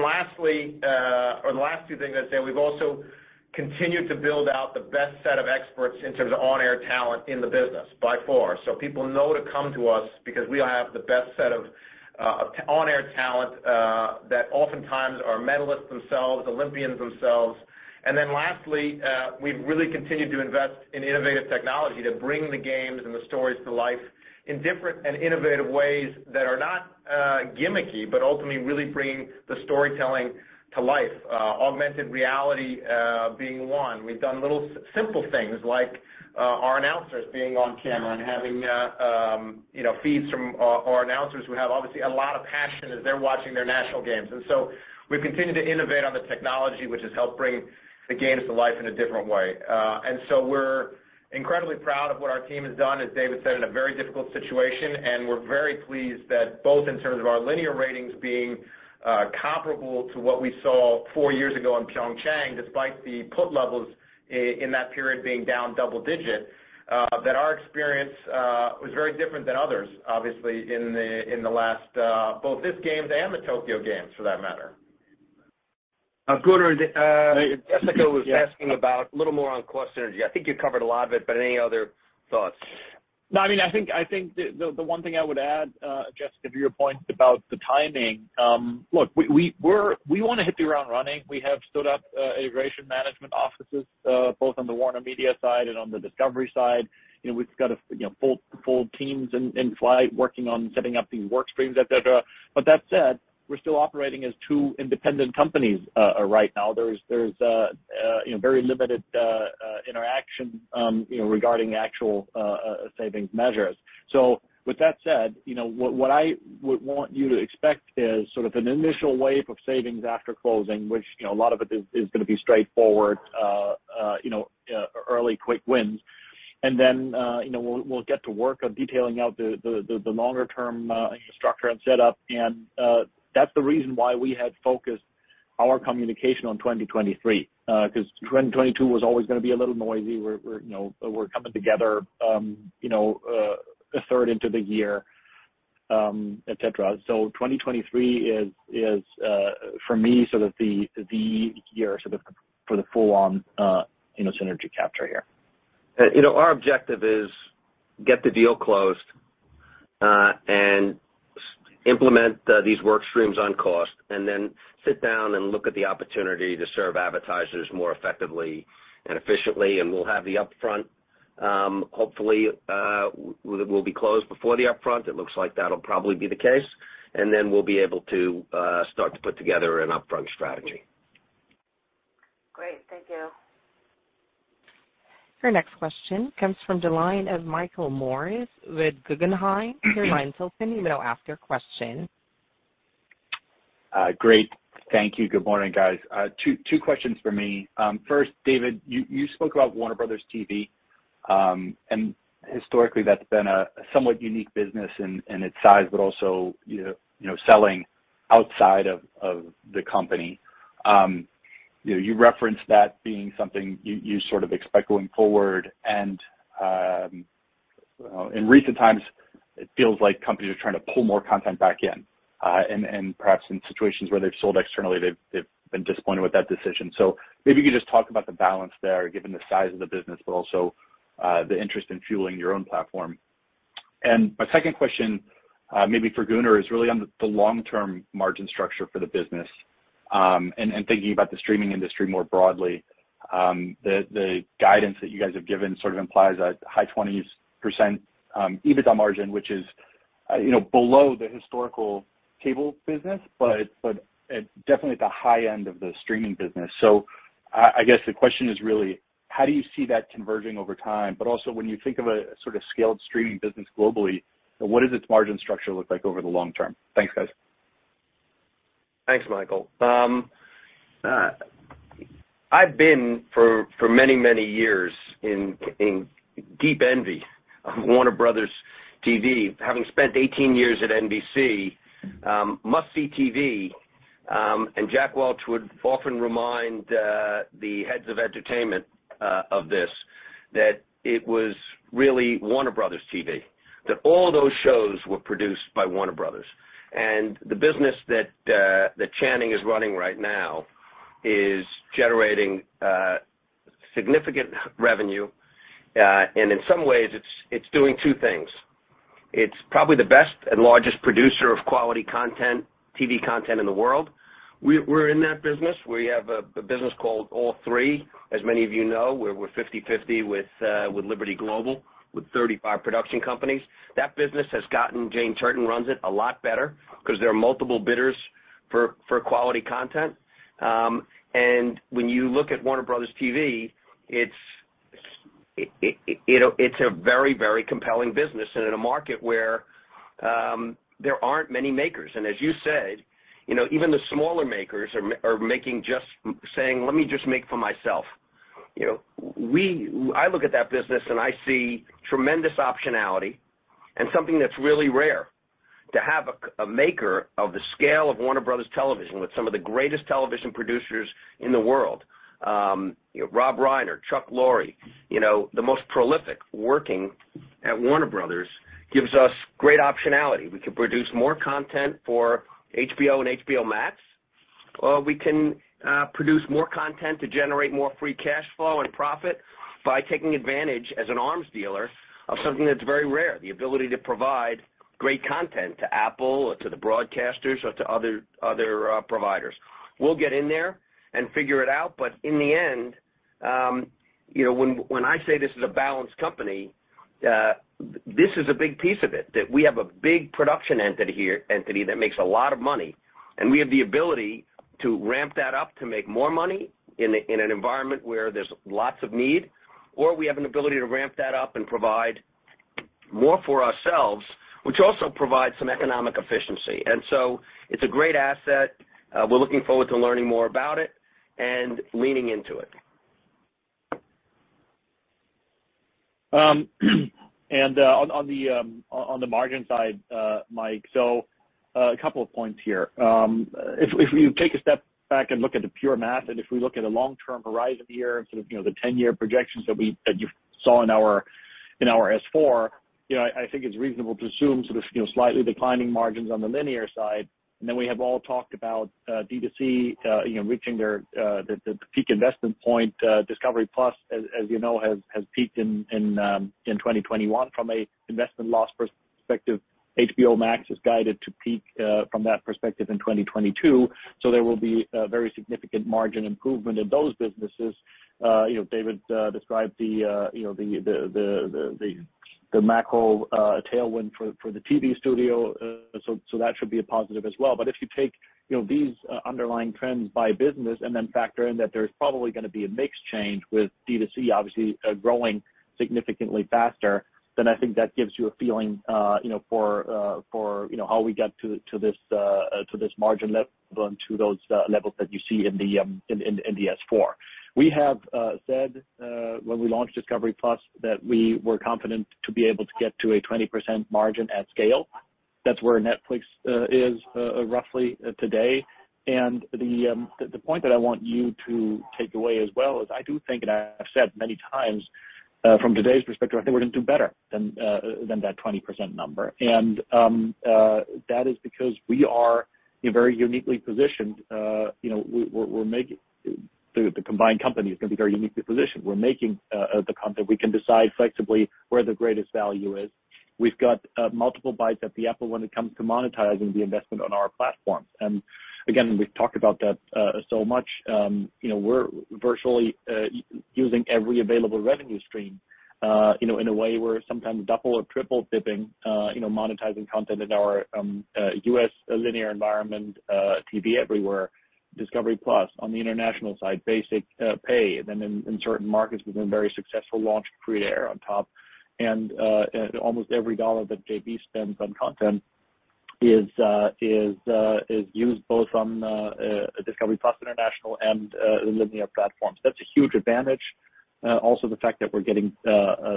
Lastly, or the last two things I'd say, we've also continued to build out the best set of experts in terms of on-air talent in the business by far. People know to come to us because we have the best set of on-air talent that oftentimes are medalists themselves, Olympians themselves. Lastly, we've really continued to invest in innovative technology to bring the games and the stories to life in different and innovative ways that are not gimmicky, but ultimately really bringing the storytelling to life, augmented reality being one. We've done little simple things like our announcers being on camera and having you know feeds from our announcers who have obviously a lot of passion as they're watching their national games. We've continued to innovate on the technology, which has helped bring the games to life in a different way. We're incredibly proud of what our team has done, as David said, in a very difficult situation, and we're very pleased that both in terms of our linear ratings being comparable to what we saw four years ago in Pyeongchang, despite the ad levels in that period being down double-digit, that our experience was very different than others, obviously, in the last both these games and the Tokyo games, for that matter. Gunnar, Jessica was asking about a little more on cost synergy. I think you covered a lot of it, but any other thoughts? No, I mean, I think the one thing I would add, Jessica, to your point about the timing, look, we wanna hit the ground running. We have stood up integration management offices both on the WarnerMedia side and on the Discovery side. You know, we've got a you know full teams in flight working on setting up these work streams, et cetera. That said, we're still operating as two independent companies right now. There's you know very limited interaction you know regarding actual savings measures. With that said, you know, what I would want you to expect is sort of an initial wave of savings after closing, which, you know, a lot of it is gonna be straightforward, early quick wins. Then, you know, we'll get to work on detailing out the longer term, you know, structure and set up. That's the reason why we had focused our communication on 2023, 'cause 2022 was always gonna be a little noisy. We're coming together, you know, a third into the year, et cetera. 2023 is, for me, sort of the year, sort of for the full on, you know, synergy capture here. You know, our objective is to get the deal closed, and implement these work streams on cost and then sit down and look at the opportunity to serve advertisers more effectively and efficiently. We'll have the upfront, hopefully, we'll be closed before the upfront. It looks like that'll probably be the case. Then we'll be able to start to put together an upfront strategy. Great. Thank you. Your next question comes from the line of Michael Morris with Guggenheim. Your line's open. You may now ask your question. Great. Thank you. Good morning, guys. Two questions for me. First, David, you spoke about Warner Bros. TV, and historically, that's been a somewhat unique business in its size, but also, you know, selling outside of the company. You know, you referenced that being something you sort of expect going forward. In recent times, it feels like companies are trying to pull more content back in. Perhaps in situations where they've sold externally, they've been disappointed with that decision. Maybe you could just talk about the balance there, given the size of the business, but also the interest in fueling your own platform. My second question, maybe for Gunnar, is really on the long-term margin structure for the business, and thinking about the streaming industry more broadly. The guidance that you guys have given sort of implies a high 20s% EBITDA margin, which is, you know, below the historical cable business, but it's definitely at the high end of the streaming business. I guess the question is really how do you see that converging over time, but also when you think of a sort of scaled streaming business globally, what does its margin structure look like over the long term? Thanks, guys. Thanks, Michael. I have been for many years in deep envy of Warner Bros. TV. Having spent 18 years at NBC, Must See TV, and Jack Welch would often remind the heads of entertainment of this, that it was really Warner Bros. TV, that all those shows were produced by Warner Bros. The business that Channing is running right now is generating significant revenue. In some ways, it's doing two things. It's probably the best and largest producer of quality content, TV content in the world. We're in that business. We have a business called All3, as many of you know, where we're 50/50 with Liberty Global, with 35 production companies. That business has gotten. Jane Turton runs it a lot better because there are multiple bidders for quality content. When you look at Warner Bros. TV, it's, you know, it's a very, very compelling business. In a market where there aren't many makers, and as you said, you know, even the smaller makers are saying, just "Let me just make for myself." I look at that business and I see tremendous optionality and something that's really rare to have a maker of the scale of Warner Bros. Television with some of the greatest television producers in the world. Greg Berlanti, Chuck Lorre, you know, the most prolific working at Warner Bros. gives us great optionality. We can produce more content for HBO and HBO Max, or we can produce more content to generate more free cash flow and profit by taking advantage as an arms dealer of something that's very rare, the ability to provide great content to Apple or to the broadcasters or to other providers. We'll get in there and figure it out, but in the end, you know, when I say this is a balanced company, this is a big piece of it, that we have a big production entity here that makes a lot of money, and we have the ability to ramp that up to make more money in an environment where there's lots of need, or we have an ability to ramp that up and provide more for ourselves, which also provides some economic efficiency. It's a great asset. We're looking forward to learning more about it and leaning into it. On the margin side, Mike, a couple of points here. If you take a step back and look at the pure math, and if we look at a long term horizon here and sort of, you know, the ten-year projections that you saw in our S-4, you know, I think it's reasonable to assume sort of, you know, slightly declining margins on the linear side. Then we have all talked about D2C, you know, reaching the peak investment point. discovery+, as you know, has peaked in 2021 from a investment loss perspective. HBO Max is guided to peak from that perspective in 2022. There will be a very significant margin improvement in those businesses. You know, David described the macro tailwind for the TV studio. That should be a positive as well. If you take, you know, these underlying trends by business and then factor in that there's probably gonna be a mix change with D2C obviously growing significantly faster, then I think that gives you a feeling, you know, for how we got to this margin level and to those levels that you see in the S-4. We have said when we launched discovery+ that we were confident to be able to get to a 20% margin at scale. That's where Netflix is roughly today. The point that I want you to take away as well is I do think, and I've said many times, from today's perspective, I think we're gonna do better than that 20% number. That is because we are, you know, very uniquely positioned. You know, the combined company is gonna be very uniquely positioned. We're making the content. We can decide flexibly where the greatest value is. We've got multiple bites at the apple when it comes to monetizing the investment on our platforms. Again, we've talked about that so much. You know, we're virtually using every available revenue stream. You know, in a way we're sometimes double or triple dipping, you know, monetizing content in our U.S. linear environment, TV everywhere, Discovery+ on the international side, basic pay. In certain markets, we've been very successful launching free-to-air on top. Almost every dollar that JB spends on content is used both on Discovery+ International and the linear platforms. That's a huge advantage. Also the fact that we're getting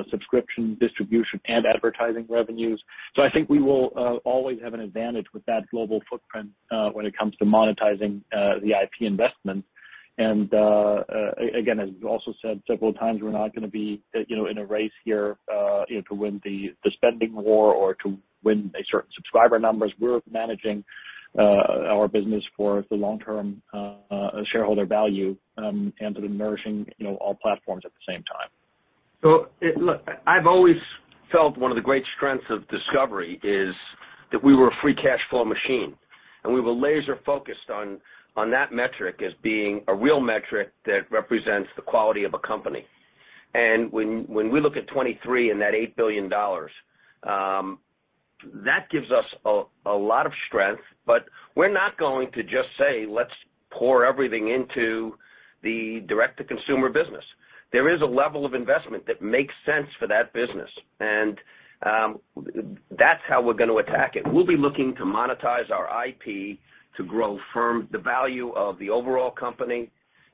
subscription distribution and advertising revenues. I think we will always have an advantage with that global footprint when it comes to monetizing the IP investment. Again, as we also said several times, we're not gonna be, you know, in a race here, you know, to win the spending war or to win a certain subscriber numbers. We're managing our business for the long term shareholder value, and to nourish, you know, all platforms at the same time. Look, I've always felt one of the great strengths of Discovery is that we were a free cash flow machine, and we were laser focused on that metric as being a real metric that represents the quality of a company. When we look at 2023 and that $8 billion, that gives us a lot of strength, but we're not going to just say, let's pour everything into the direct to consumer business. There is a level of investment that makes sense for that business, and that's how we're gonna attack it. We'll be looking to monetize our IP to grow from the value of the overall company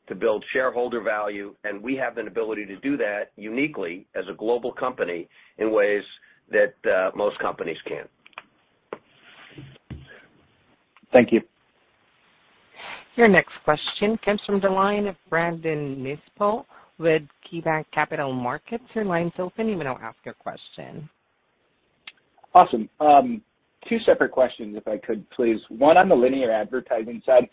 to build shareholder value, and we have an ability to do that uniquely as a global company in ways that most companies can't. Thank you. Your next question comes from the line of Brandon Nispel with KeyBanc Capital Markets. Your line's open. You may now ask your question. Awesome. Two separate questions if I could please. One, on the linear advertising side.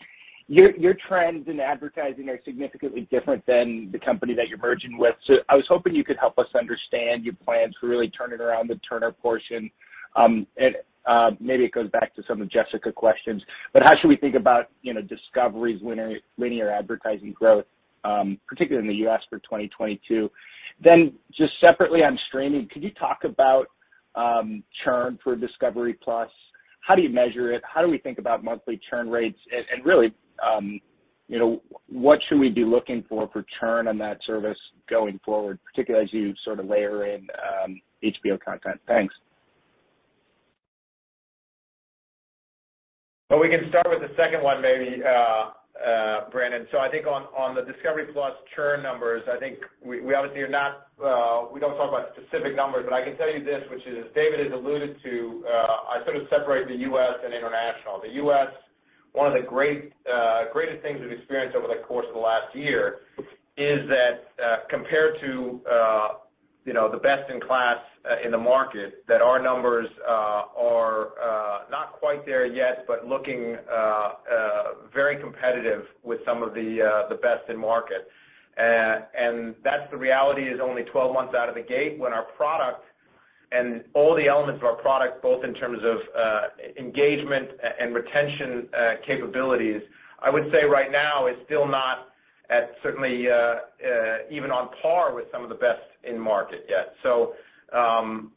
Your trends in advertising are significantly different than the company that you're merging with. So I was hoping you could help us understand your plans for really turning around the Turner portion. And maybe it goes back to some of Jessica's questions, but how should we think about, you know, Discovery's linear advertising growth, particularly in the U.S. for 2022? Then just separately on streaming, could you talk about churn for discovery+, how do you measure it? How do we think about monthly churn rates? And really, you know, what should we be looking for churn on that service going forward, particularly as you sort of layer in HBO content? Thanks. Well, we can start with the second one maybe, Brandon. I think on the Discovery+ churn numbers, I think we obviously don't talk about specific numbers, but I can tell you this, which is David has alluded to, I sort of separate the U.S. and international. The U.S., one of the greatest things we've experienced over the course of the last year is that compared to you know the best in class in the market that our numbers are not quite there yet, but looking very competitive with some of the best in market. That's the reality. Only 12 months out of the gate when our product and all the elements of our product, both in terms of engagement and retention capabilities, I would say right now is still not certainly even on par with some of the best in market yet.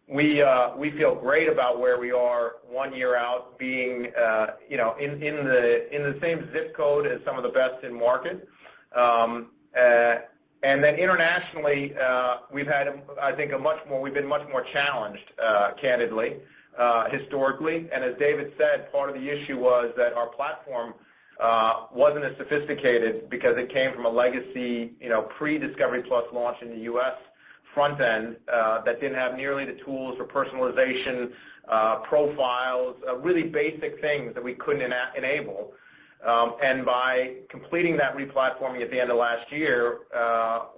We feel great about where we are 1 year out being, you know, in the same zip code as some of the best in market. Internationally, I think we've been much more challenged, candidly, historically. As David said, part of the issue was that our platform wasn't as sophisticated because it came from a legacy, you know, pre-discovery+ launch in the U.S. front end that didn't have nearly the tools for personalization, profiles, really basic things that we couldn't enable. By completing that re-platforming at the end of last year,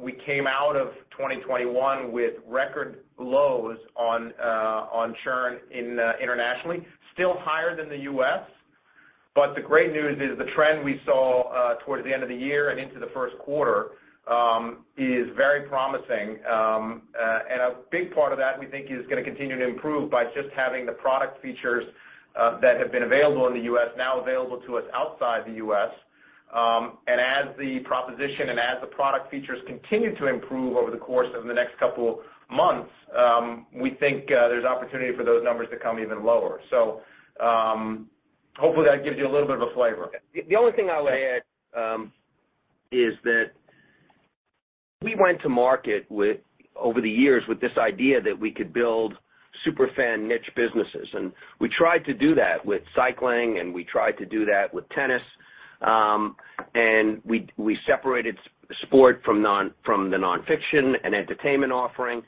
we came out of 2021 with record lows on churn internationally. Still higher than the U.S., but the great news is the trend we saw towards the end of the year and into the first quarter is very promising. A big part of that we think is gonna continue to improve by just having the product features that have been available in the U.S. now available to us outside the U.S. As the proposition and the product features continue to improve over the course of the next couple months, we think there's opportunity for those numbers to come even lower. Hopefully that gives you a little bit of a flavor. The only thing I'll add is that we went to market over the years with this idea that we could build super fan niche businesses. We tried to do that with cycling, and we tried to do that with tennis. We separated sports from the nonfiction and entertainment offering.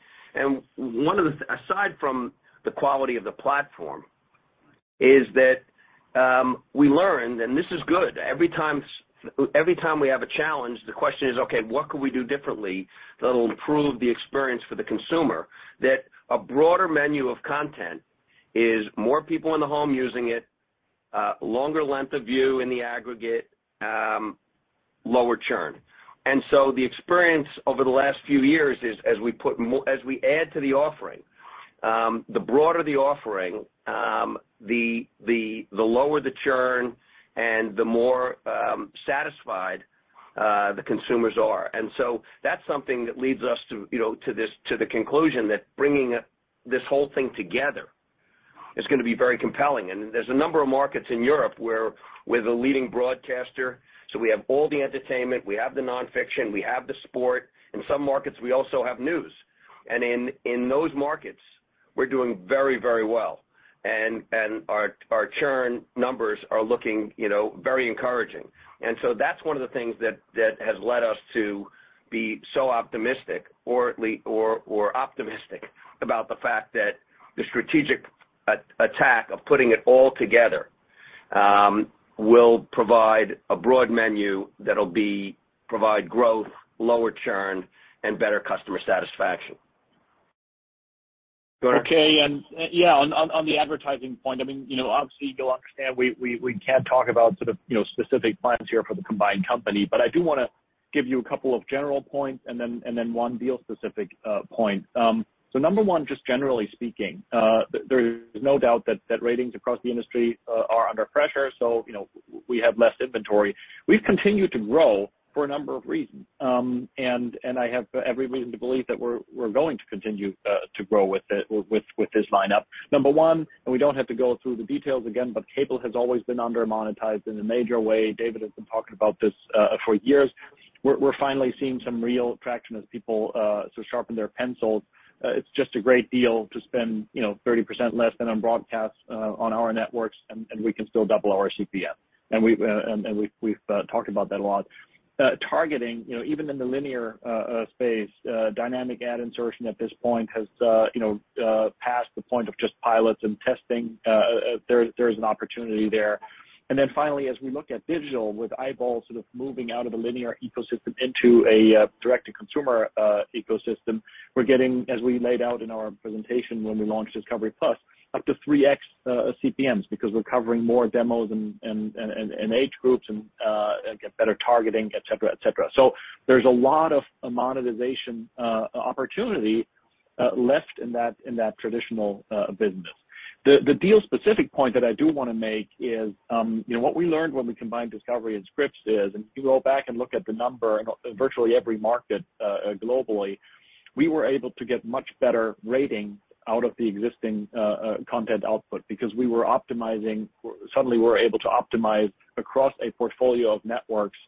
One of the things, aside from the quality of the platform, is that we learned, and this is good, every time we have a challenge, the question is, what could we do differently that'll improve the experience for the consumer. A broader menu of content is more people in the home using it, longer length of view in the aggregate, lower churn. The experience over the last few years is, as we add to the offering, the broader the offering, the lower the churn and the more satisfied the consumers are. That's something that leads us to, you know, to the conclusion that bringing this whole thing together is gonna be very compelling. There's a number of markets in Europe where we're the leading broadcaster, so we have all the entertainment, we have the nonfiction, we have the sport. In some markets, we also have news. Our churn numbers are looking, you know, very encouraging. That's one of the things that has led us to be so optimistic about the fact that the strategic attack of putting it all together will provide a broad menu that'll provide growth, lower churn, and better customer satisfaction. Okay. Yeah, on the advertising point, I mean, you know, obviously you'll understand we can't talk about sort of, you know, specific plans here for the combined company, but I do wanna give you a couple of general points and then one deal specific point. So number one, just generally speaking, there's no doubt that ratings across the industry are under pressure, so, you know, we have less inventory. We've continued to grow for a number of reasons. I have every reason to believe that we're going to continue to grow with this lineup. Number one, we don't have to go through the details again, but cable has always been under-monetized in a major way. David has been talking about this for years. We're finally seeing some real traction as people sort of sharpen their pencils. It's just a great deal to spend, you know, 30% less than on broadcast on our networks, and we can still double our CPM. We've talked about that a lot, targeting even in the linear space, dynamic ad insertion at this point has, you know, passed the point of just pilots and testing. There's an opportunity there. Finally, as we look at digital, with eyeballs sort of moving out of a linear ecosystem into a direct-to-consumer ecosystem, we're getting, as we laid out in our presentation when we launched discovery+, up to 3x CPMs because we're covering more demos and age groups and get better targeting, et cetera, et cetera. There's a lot of monetization opportunity left in that traditional business. The deal specific point that I do wanna make is, you know, what we learned when we combined Discovery and Scripps is, and if you go back and look at the number in virtually every market globally, we were able to get much better ratings out of the existing content output because we were optimizing, suddenly we were able to optimize across a portfolio of networks.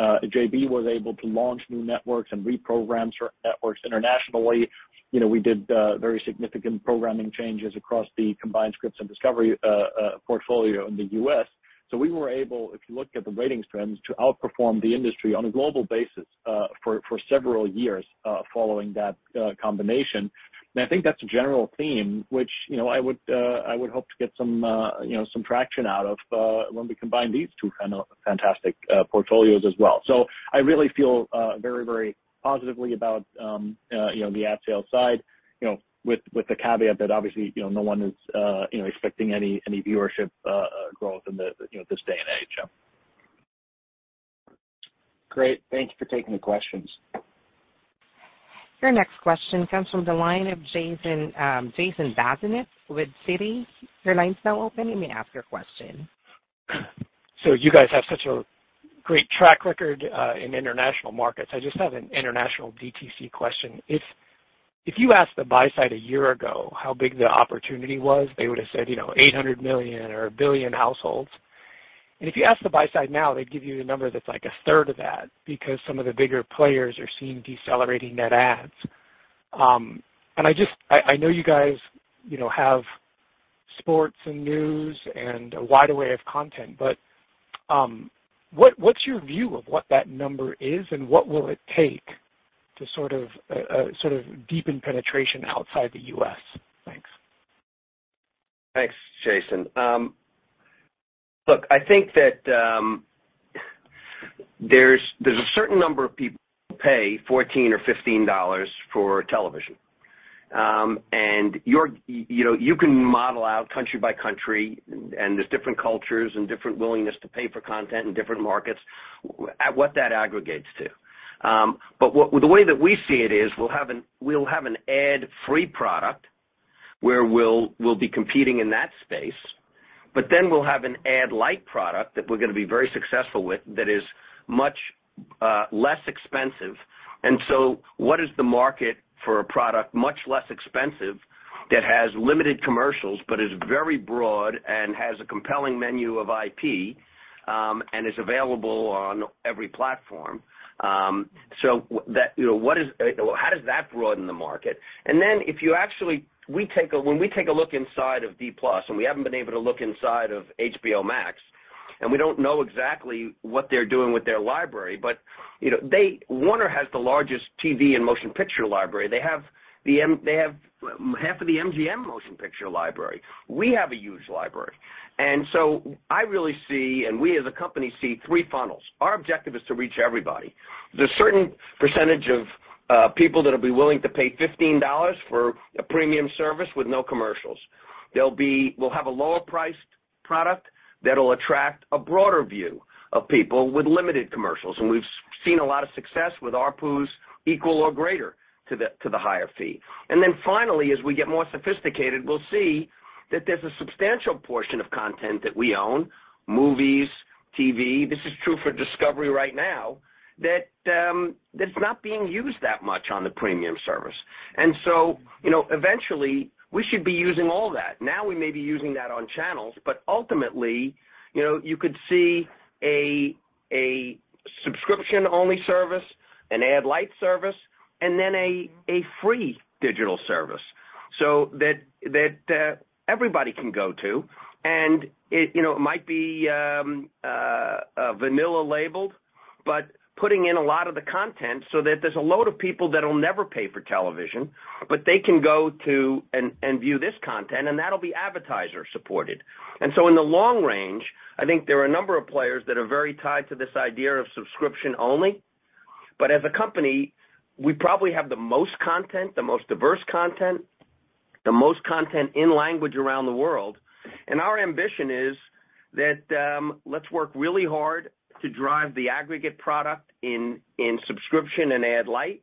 JB was able to launch new networks and reprogram certain networks internationally. You know, we did very significant programming changes across the combined Scripps and Discovery portfolio in the U.S. We were able, if you look at the ratings trends, to outperform the industry on a global basis for several years following that combination. I think that's a general theme, which, you know, I would hope to get some traction out of when we combine these two kind of fantastic portfolios as well. I really feel very positively about the ad sales side, you know, with the caveat that obviously, you know, no one is expecting any viewership growth in this day and age. Yeah. Great. Thank you for taking the questions. Your next question comes from the line of Jason Bazinet with Citi. Your line's now open. You may ask your question. You guys have such a great track record in international markets. I just have an international DTC question. If you asked the buy side a year ago how big the opportunity was, they would have said, you know, 800 million or 1 billion households. If you ask the buy side now, they'd give you a number that's like a third of that because some of the bigger players are seeing decelerating net adds. I know you guys, you know, have sports and news and a wide array of content, but what's your view of what that number is and what will it take to sort of deepen penetration outside the U.S.? Thanks. Thanks, Jason. Look, I think that there's a certain number of people who pay $14 or $15 for television. You know, you can model out country by country, and there's different cultures and different willingness to pay for content in different markets, what that aggregates to. But the way that we see it is we'll have an ad-free product where we'll be competing in that space, but then we'll have an ad light product that we're gonna be very successful with that is much less expensive. What is the market for a product much less expensive that has limited commercials but is very broad and has a compelling menu of IP, and is available on every platform? You know, how does that broaden the market? When we take a look inside of D+, and we haven't been able to look inside of HBO Max, and we don't know exactly what they're doing with their library, but, you know, Warner has the largest TV and motion picture library. They have half of the MGM motion picture library. We have a huge library. I really see, and we as a company see three funnels. Our objective is to reach everybody. There's a certain percentage of people that'll be willing to pay $15 for a premium service with no commercials. We'll have a lower priced product that'll attract a broader view of people with limited commercials, and we've seen a lot of success with ARPUs equal or greater to the higher fee. Then finally, as we get more sophisticated, we'll see that there's a substantial portion of content that we own, movies, TV, this is true for Discovery right now, that's not being used that much on the premium service. You know, eventually, we should be using all that. Now we may be using that on channels, but ultimately, you know, you could see a subscription-only service, an ad light service, and then a free digital service so that everybody can go to. It, you know, might be vanilla labeled, but putting in a lot of the content so that there's a load of people that'll never pay for television, but they can go to and view this content, and that'll be advertiser supported. In the long range, I think there are a number of players that are very tied to this idea of subscription only. As a company, we probably have the most content, the most diverse content, the most content in language around the world. Our ambition is that, let's work really hard to drive the aggregate product in subscription and ad light,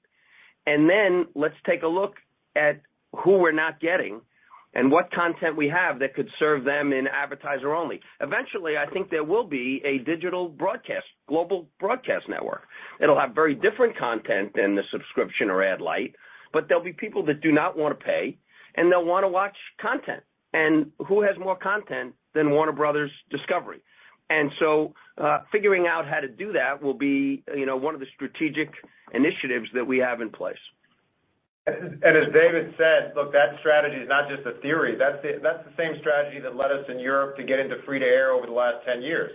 and then let's take a look at who we're not getting and what content we have that could serve them in advertiser only. Eventually, I think there will be a digital broadcast, global broadcast network. It'll have very different content than the subscription or ad light, but there'll be people that do not wanna pay, and they'll wanna watch content. Who has more content than Warner Bros. Discovery? Figuring out how to do that will be, you know, one of the strategic initiatives that we have in place. As David said, look, that strategy is not just a theory. That's the same strategy that led us in Europe to get into free to air over the last 10 years,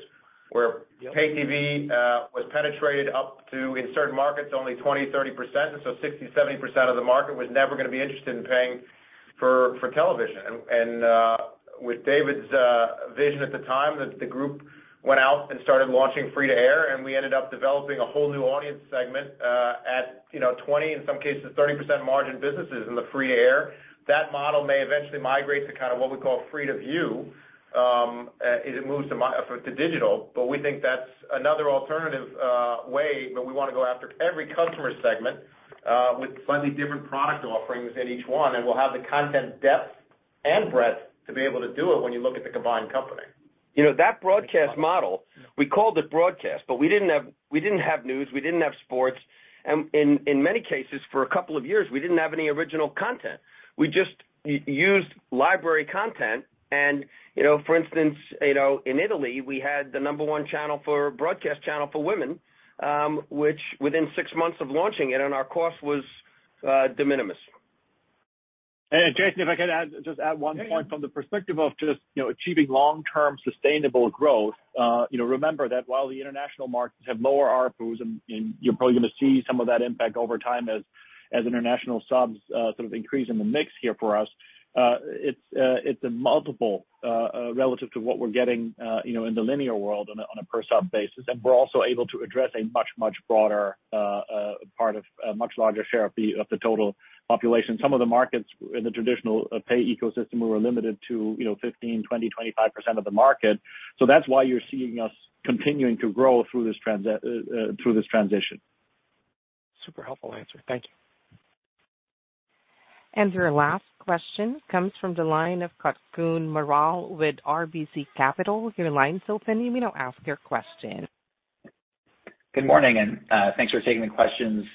where pay TV was penetrated up to, in certain markets, only 20%-30%. 60%-70% of the market was never gonna be interested in paying for television. With David's vision at the time, the group went out and started launching free to air, and we ended up developing a whole new audience segment, you know, at 20, in some cases, 30% margin businesses in the free to air. That model may eventually migrate to kind of what we call free to view, as it moves to digital. We think that's another alternative, way, but we wanna go after every customer segment, with slightly different product offerings in each one, and we'll have the content depth and breadth to be able to do it when you look at the combined company. You know, that broadcast model, we called it broadcast, but we didn't have news, we didn't have sports. In many cases, for a couple of years, we didn't have any original content. We just used library content and, you know, for instance, you know, in Italy, we had the number one broadcast channel for women, which within six months of launching it and our cost was de minimis. Jason, if I could add, just add one point from the perspective of just, you know, achieving long-term sustainable growth. You know, remember that while the international markets have lower ARPU and you're probably gonna see some of that impact over time as international subs sort of increase in the mix here for us, it's a multiple relative to what we're getting, you know, in the linear world on a per sub basis. We're also able to address a much broader part of a much larger share of the total population. Some of the markets in the traditional pay ecosystem were limited to, you know, 15, 20, 25% of the market. That's why you're seeing us continuing to grow through this transition. Super helpful answer. Thank you. Your last question comes from the line of Kutgun Maral with RBC Capital. Your line's open, you may now ask your question. Good morning, and thanks for taking the questions.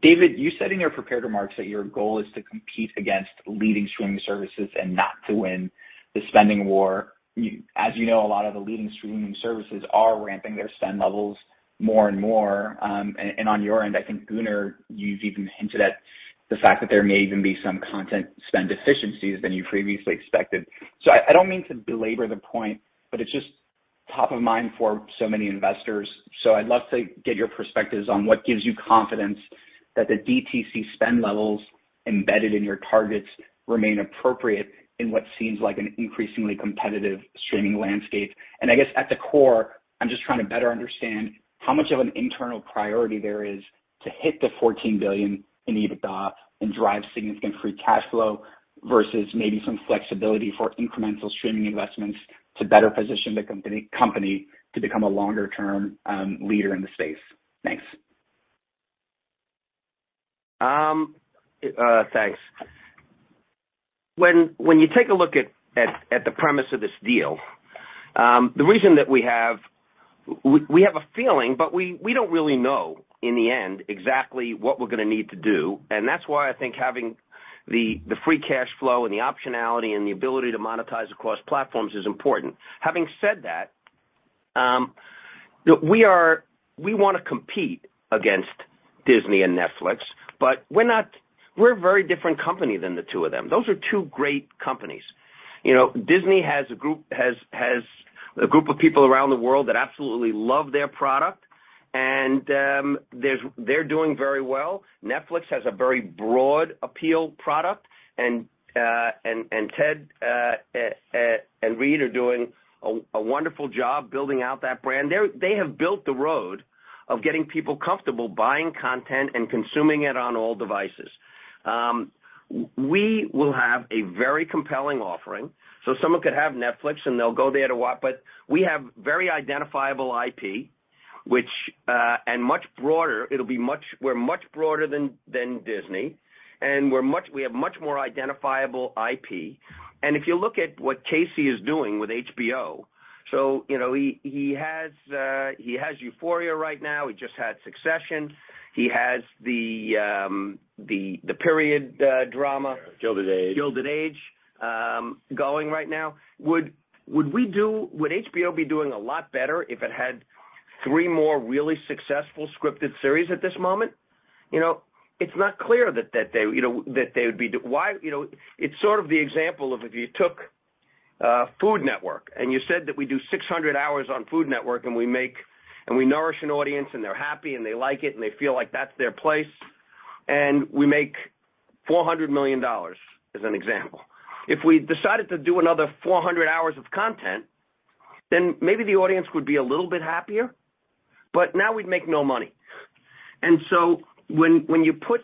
David, you said in your prepared remarks that your goal is to compete against leading streaming services and not to win the spending war. As you know, a lot of the leading streaming services are ramping their spend levels more and more. On your end, I think, Gunnar, you've even hinted at the fact that there may even be some content spend efficiencies than you previously expected. I don't mean to belabor the point, but it's just top of mind for so many investors. I'd love to get your perspectives on what gives you confidence that the DTC spend levels embedded in your targets remain appropriate in what seems like an increasingly competitive streaming landscape. I guess at the core, I'm just trying to better understand how much of an internal priority there is to hit the 14 billion in EBITDA and drive significant free cash flow versus maybe some flexibility for incremental streaming investments to better position the company to become a longer-term leader in the space. Thanks. Thanks. When you take a look at the premise of this deal, the reason that we have a feeling, but we don't really know in the end exactly what we're gonna need to do, and that's why I think having the free cash flow and the optionality and the ability to monetize across platforms is important. Having said that, look, we wanna compete against Disney and Netflix, but we're not a very different company than the two of them. Those are two great companies. You know, Disney has a group of people around the world that absolutely love their product, and they're doing very well. Netflix has a very broad appeal product, and Ted and Reed are doing a wonderful job building out that brand. They have built the road of getting people comfortable buying content and consuming it on all devices. We will have a very compelling offering, so someone could have Netflix, and they'll go there to watch, but we have very identifiable IP, which is much broader. We're much broader than Disney, and we have much more identifiable IP. If you look at what Casey is doing with HBO, so you know, he has Euphoria right now. He just had Succession. He has the period drama- Gilded Age The Gilded Age, going right now. Would HBO be doing a lot better if it had three more really successful scripted series at this moment? You know, it's not clear that they would be. You know, it's sort of the example of if you took Food Network and you said that we do 600 hours on Food Network, and we make, and we nourish an audience, and they're happy, and they like it, and they feel like that's their place, and we make $400 million, as an example. If we decided to do another 400 hours of content, then maybe the audience would be a little bit happier, but now we'd make no money. When you put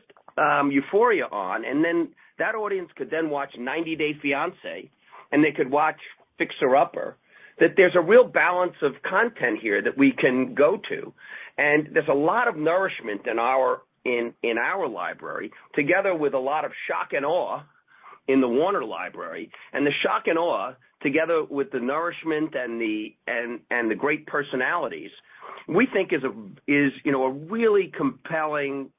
Euphoria on and then that audience could then watch 90 Day Fiancé and they could watch Fixer Upper, that there's a real balance of content here that we can go to. There's a lot of nourishment in our library together with a lot of shock and awe in the Warner library. The shock and awe together with the nourishment and the great personalities, we think is you know a really compelling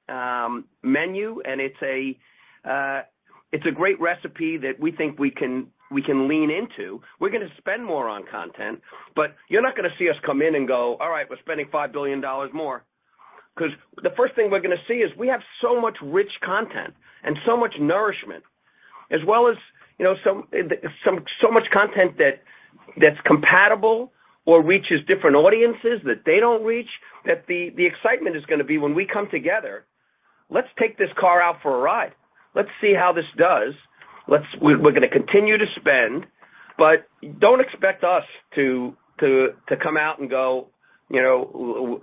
menu. It's a great recipe that we think we can lean into. We're gonna spend more on content, but you're not gonna see us come in and go, "All right, we're spending $5 billion more." The first thing we're gonna see is we have so much rich content and so much nourishment, as well as, you know, so much content that's compatible or reaches different audiences that they don't reach, that the excitement is gonna be when we come together. Let's take this car out for a ride. Let's see how this does. We're gonna continue to spend, but don't expect us to come out and go, you know,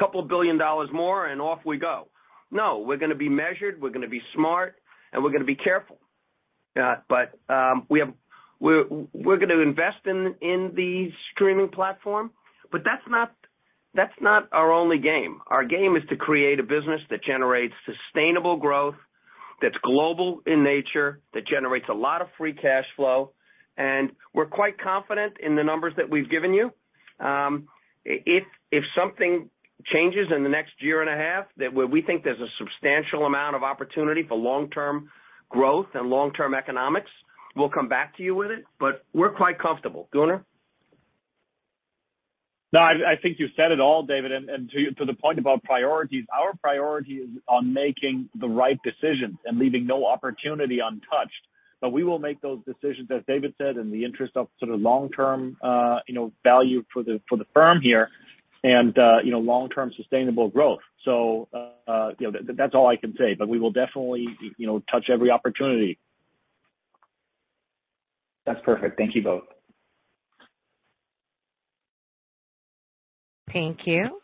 $2 billion more and off we go. No, we're gonna be measured, we're gonna be smart, and we're gonna be careful. We're gonna invest in the streaming platform, but that's not our only game. Our game is to create a business that generates sustainable growth, that's global in nature, that generates a lot of free cash flow. We're quite confident in the numbers that we've given you. If something changes in the next year and a half that we think there's a substantial amount of opportunity for long-term growth and long-term economics, we'll come back to you with it, but we're quite comfortable. Gunnar? No, I think you said it all, David. To the point about priorities, our priority is on making the right decisions and leaving no opportunity untouched. We will make those decisions, as David said, in the interest of sort of long-term, you know, value for the firm here and, you know, long-term sustainable growth. You know, that's all I can say. We will definitely, you know, touch every opportunity. That's perfect. Thank you both. Thank you.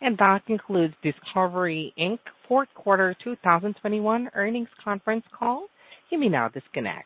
That concludes Discovery, Inc. fourth quarter 2021 earnings conference call. You may now disconnect.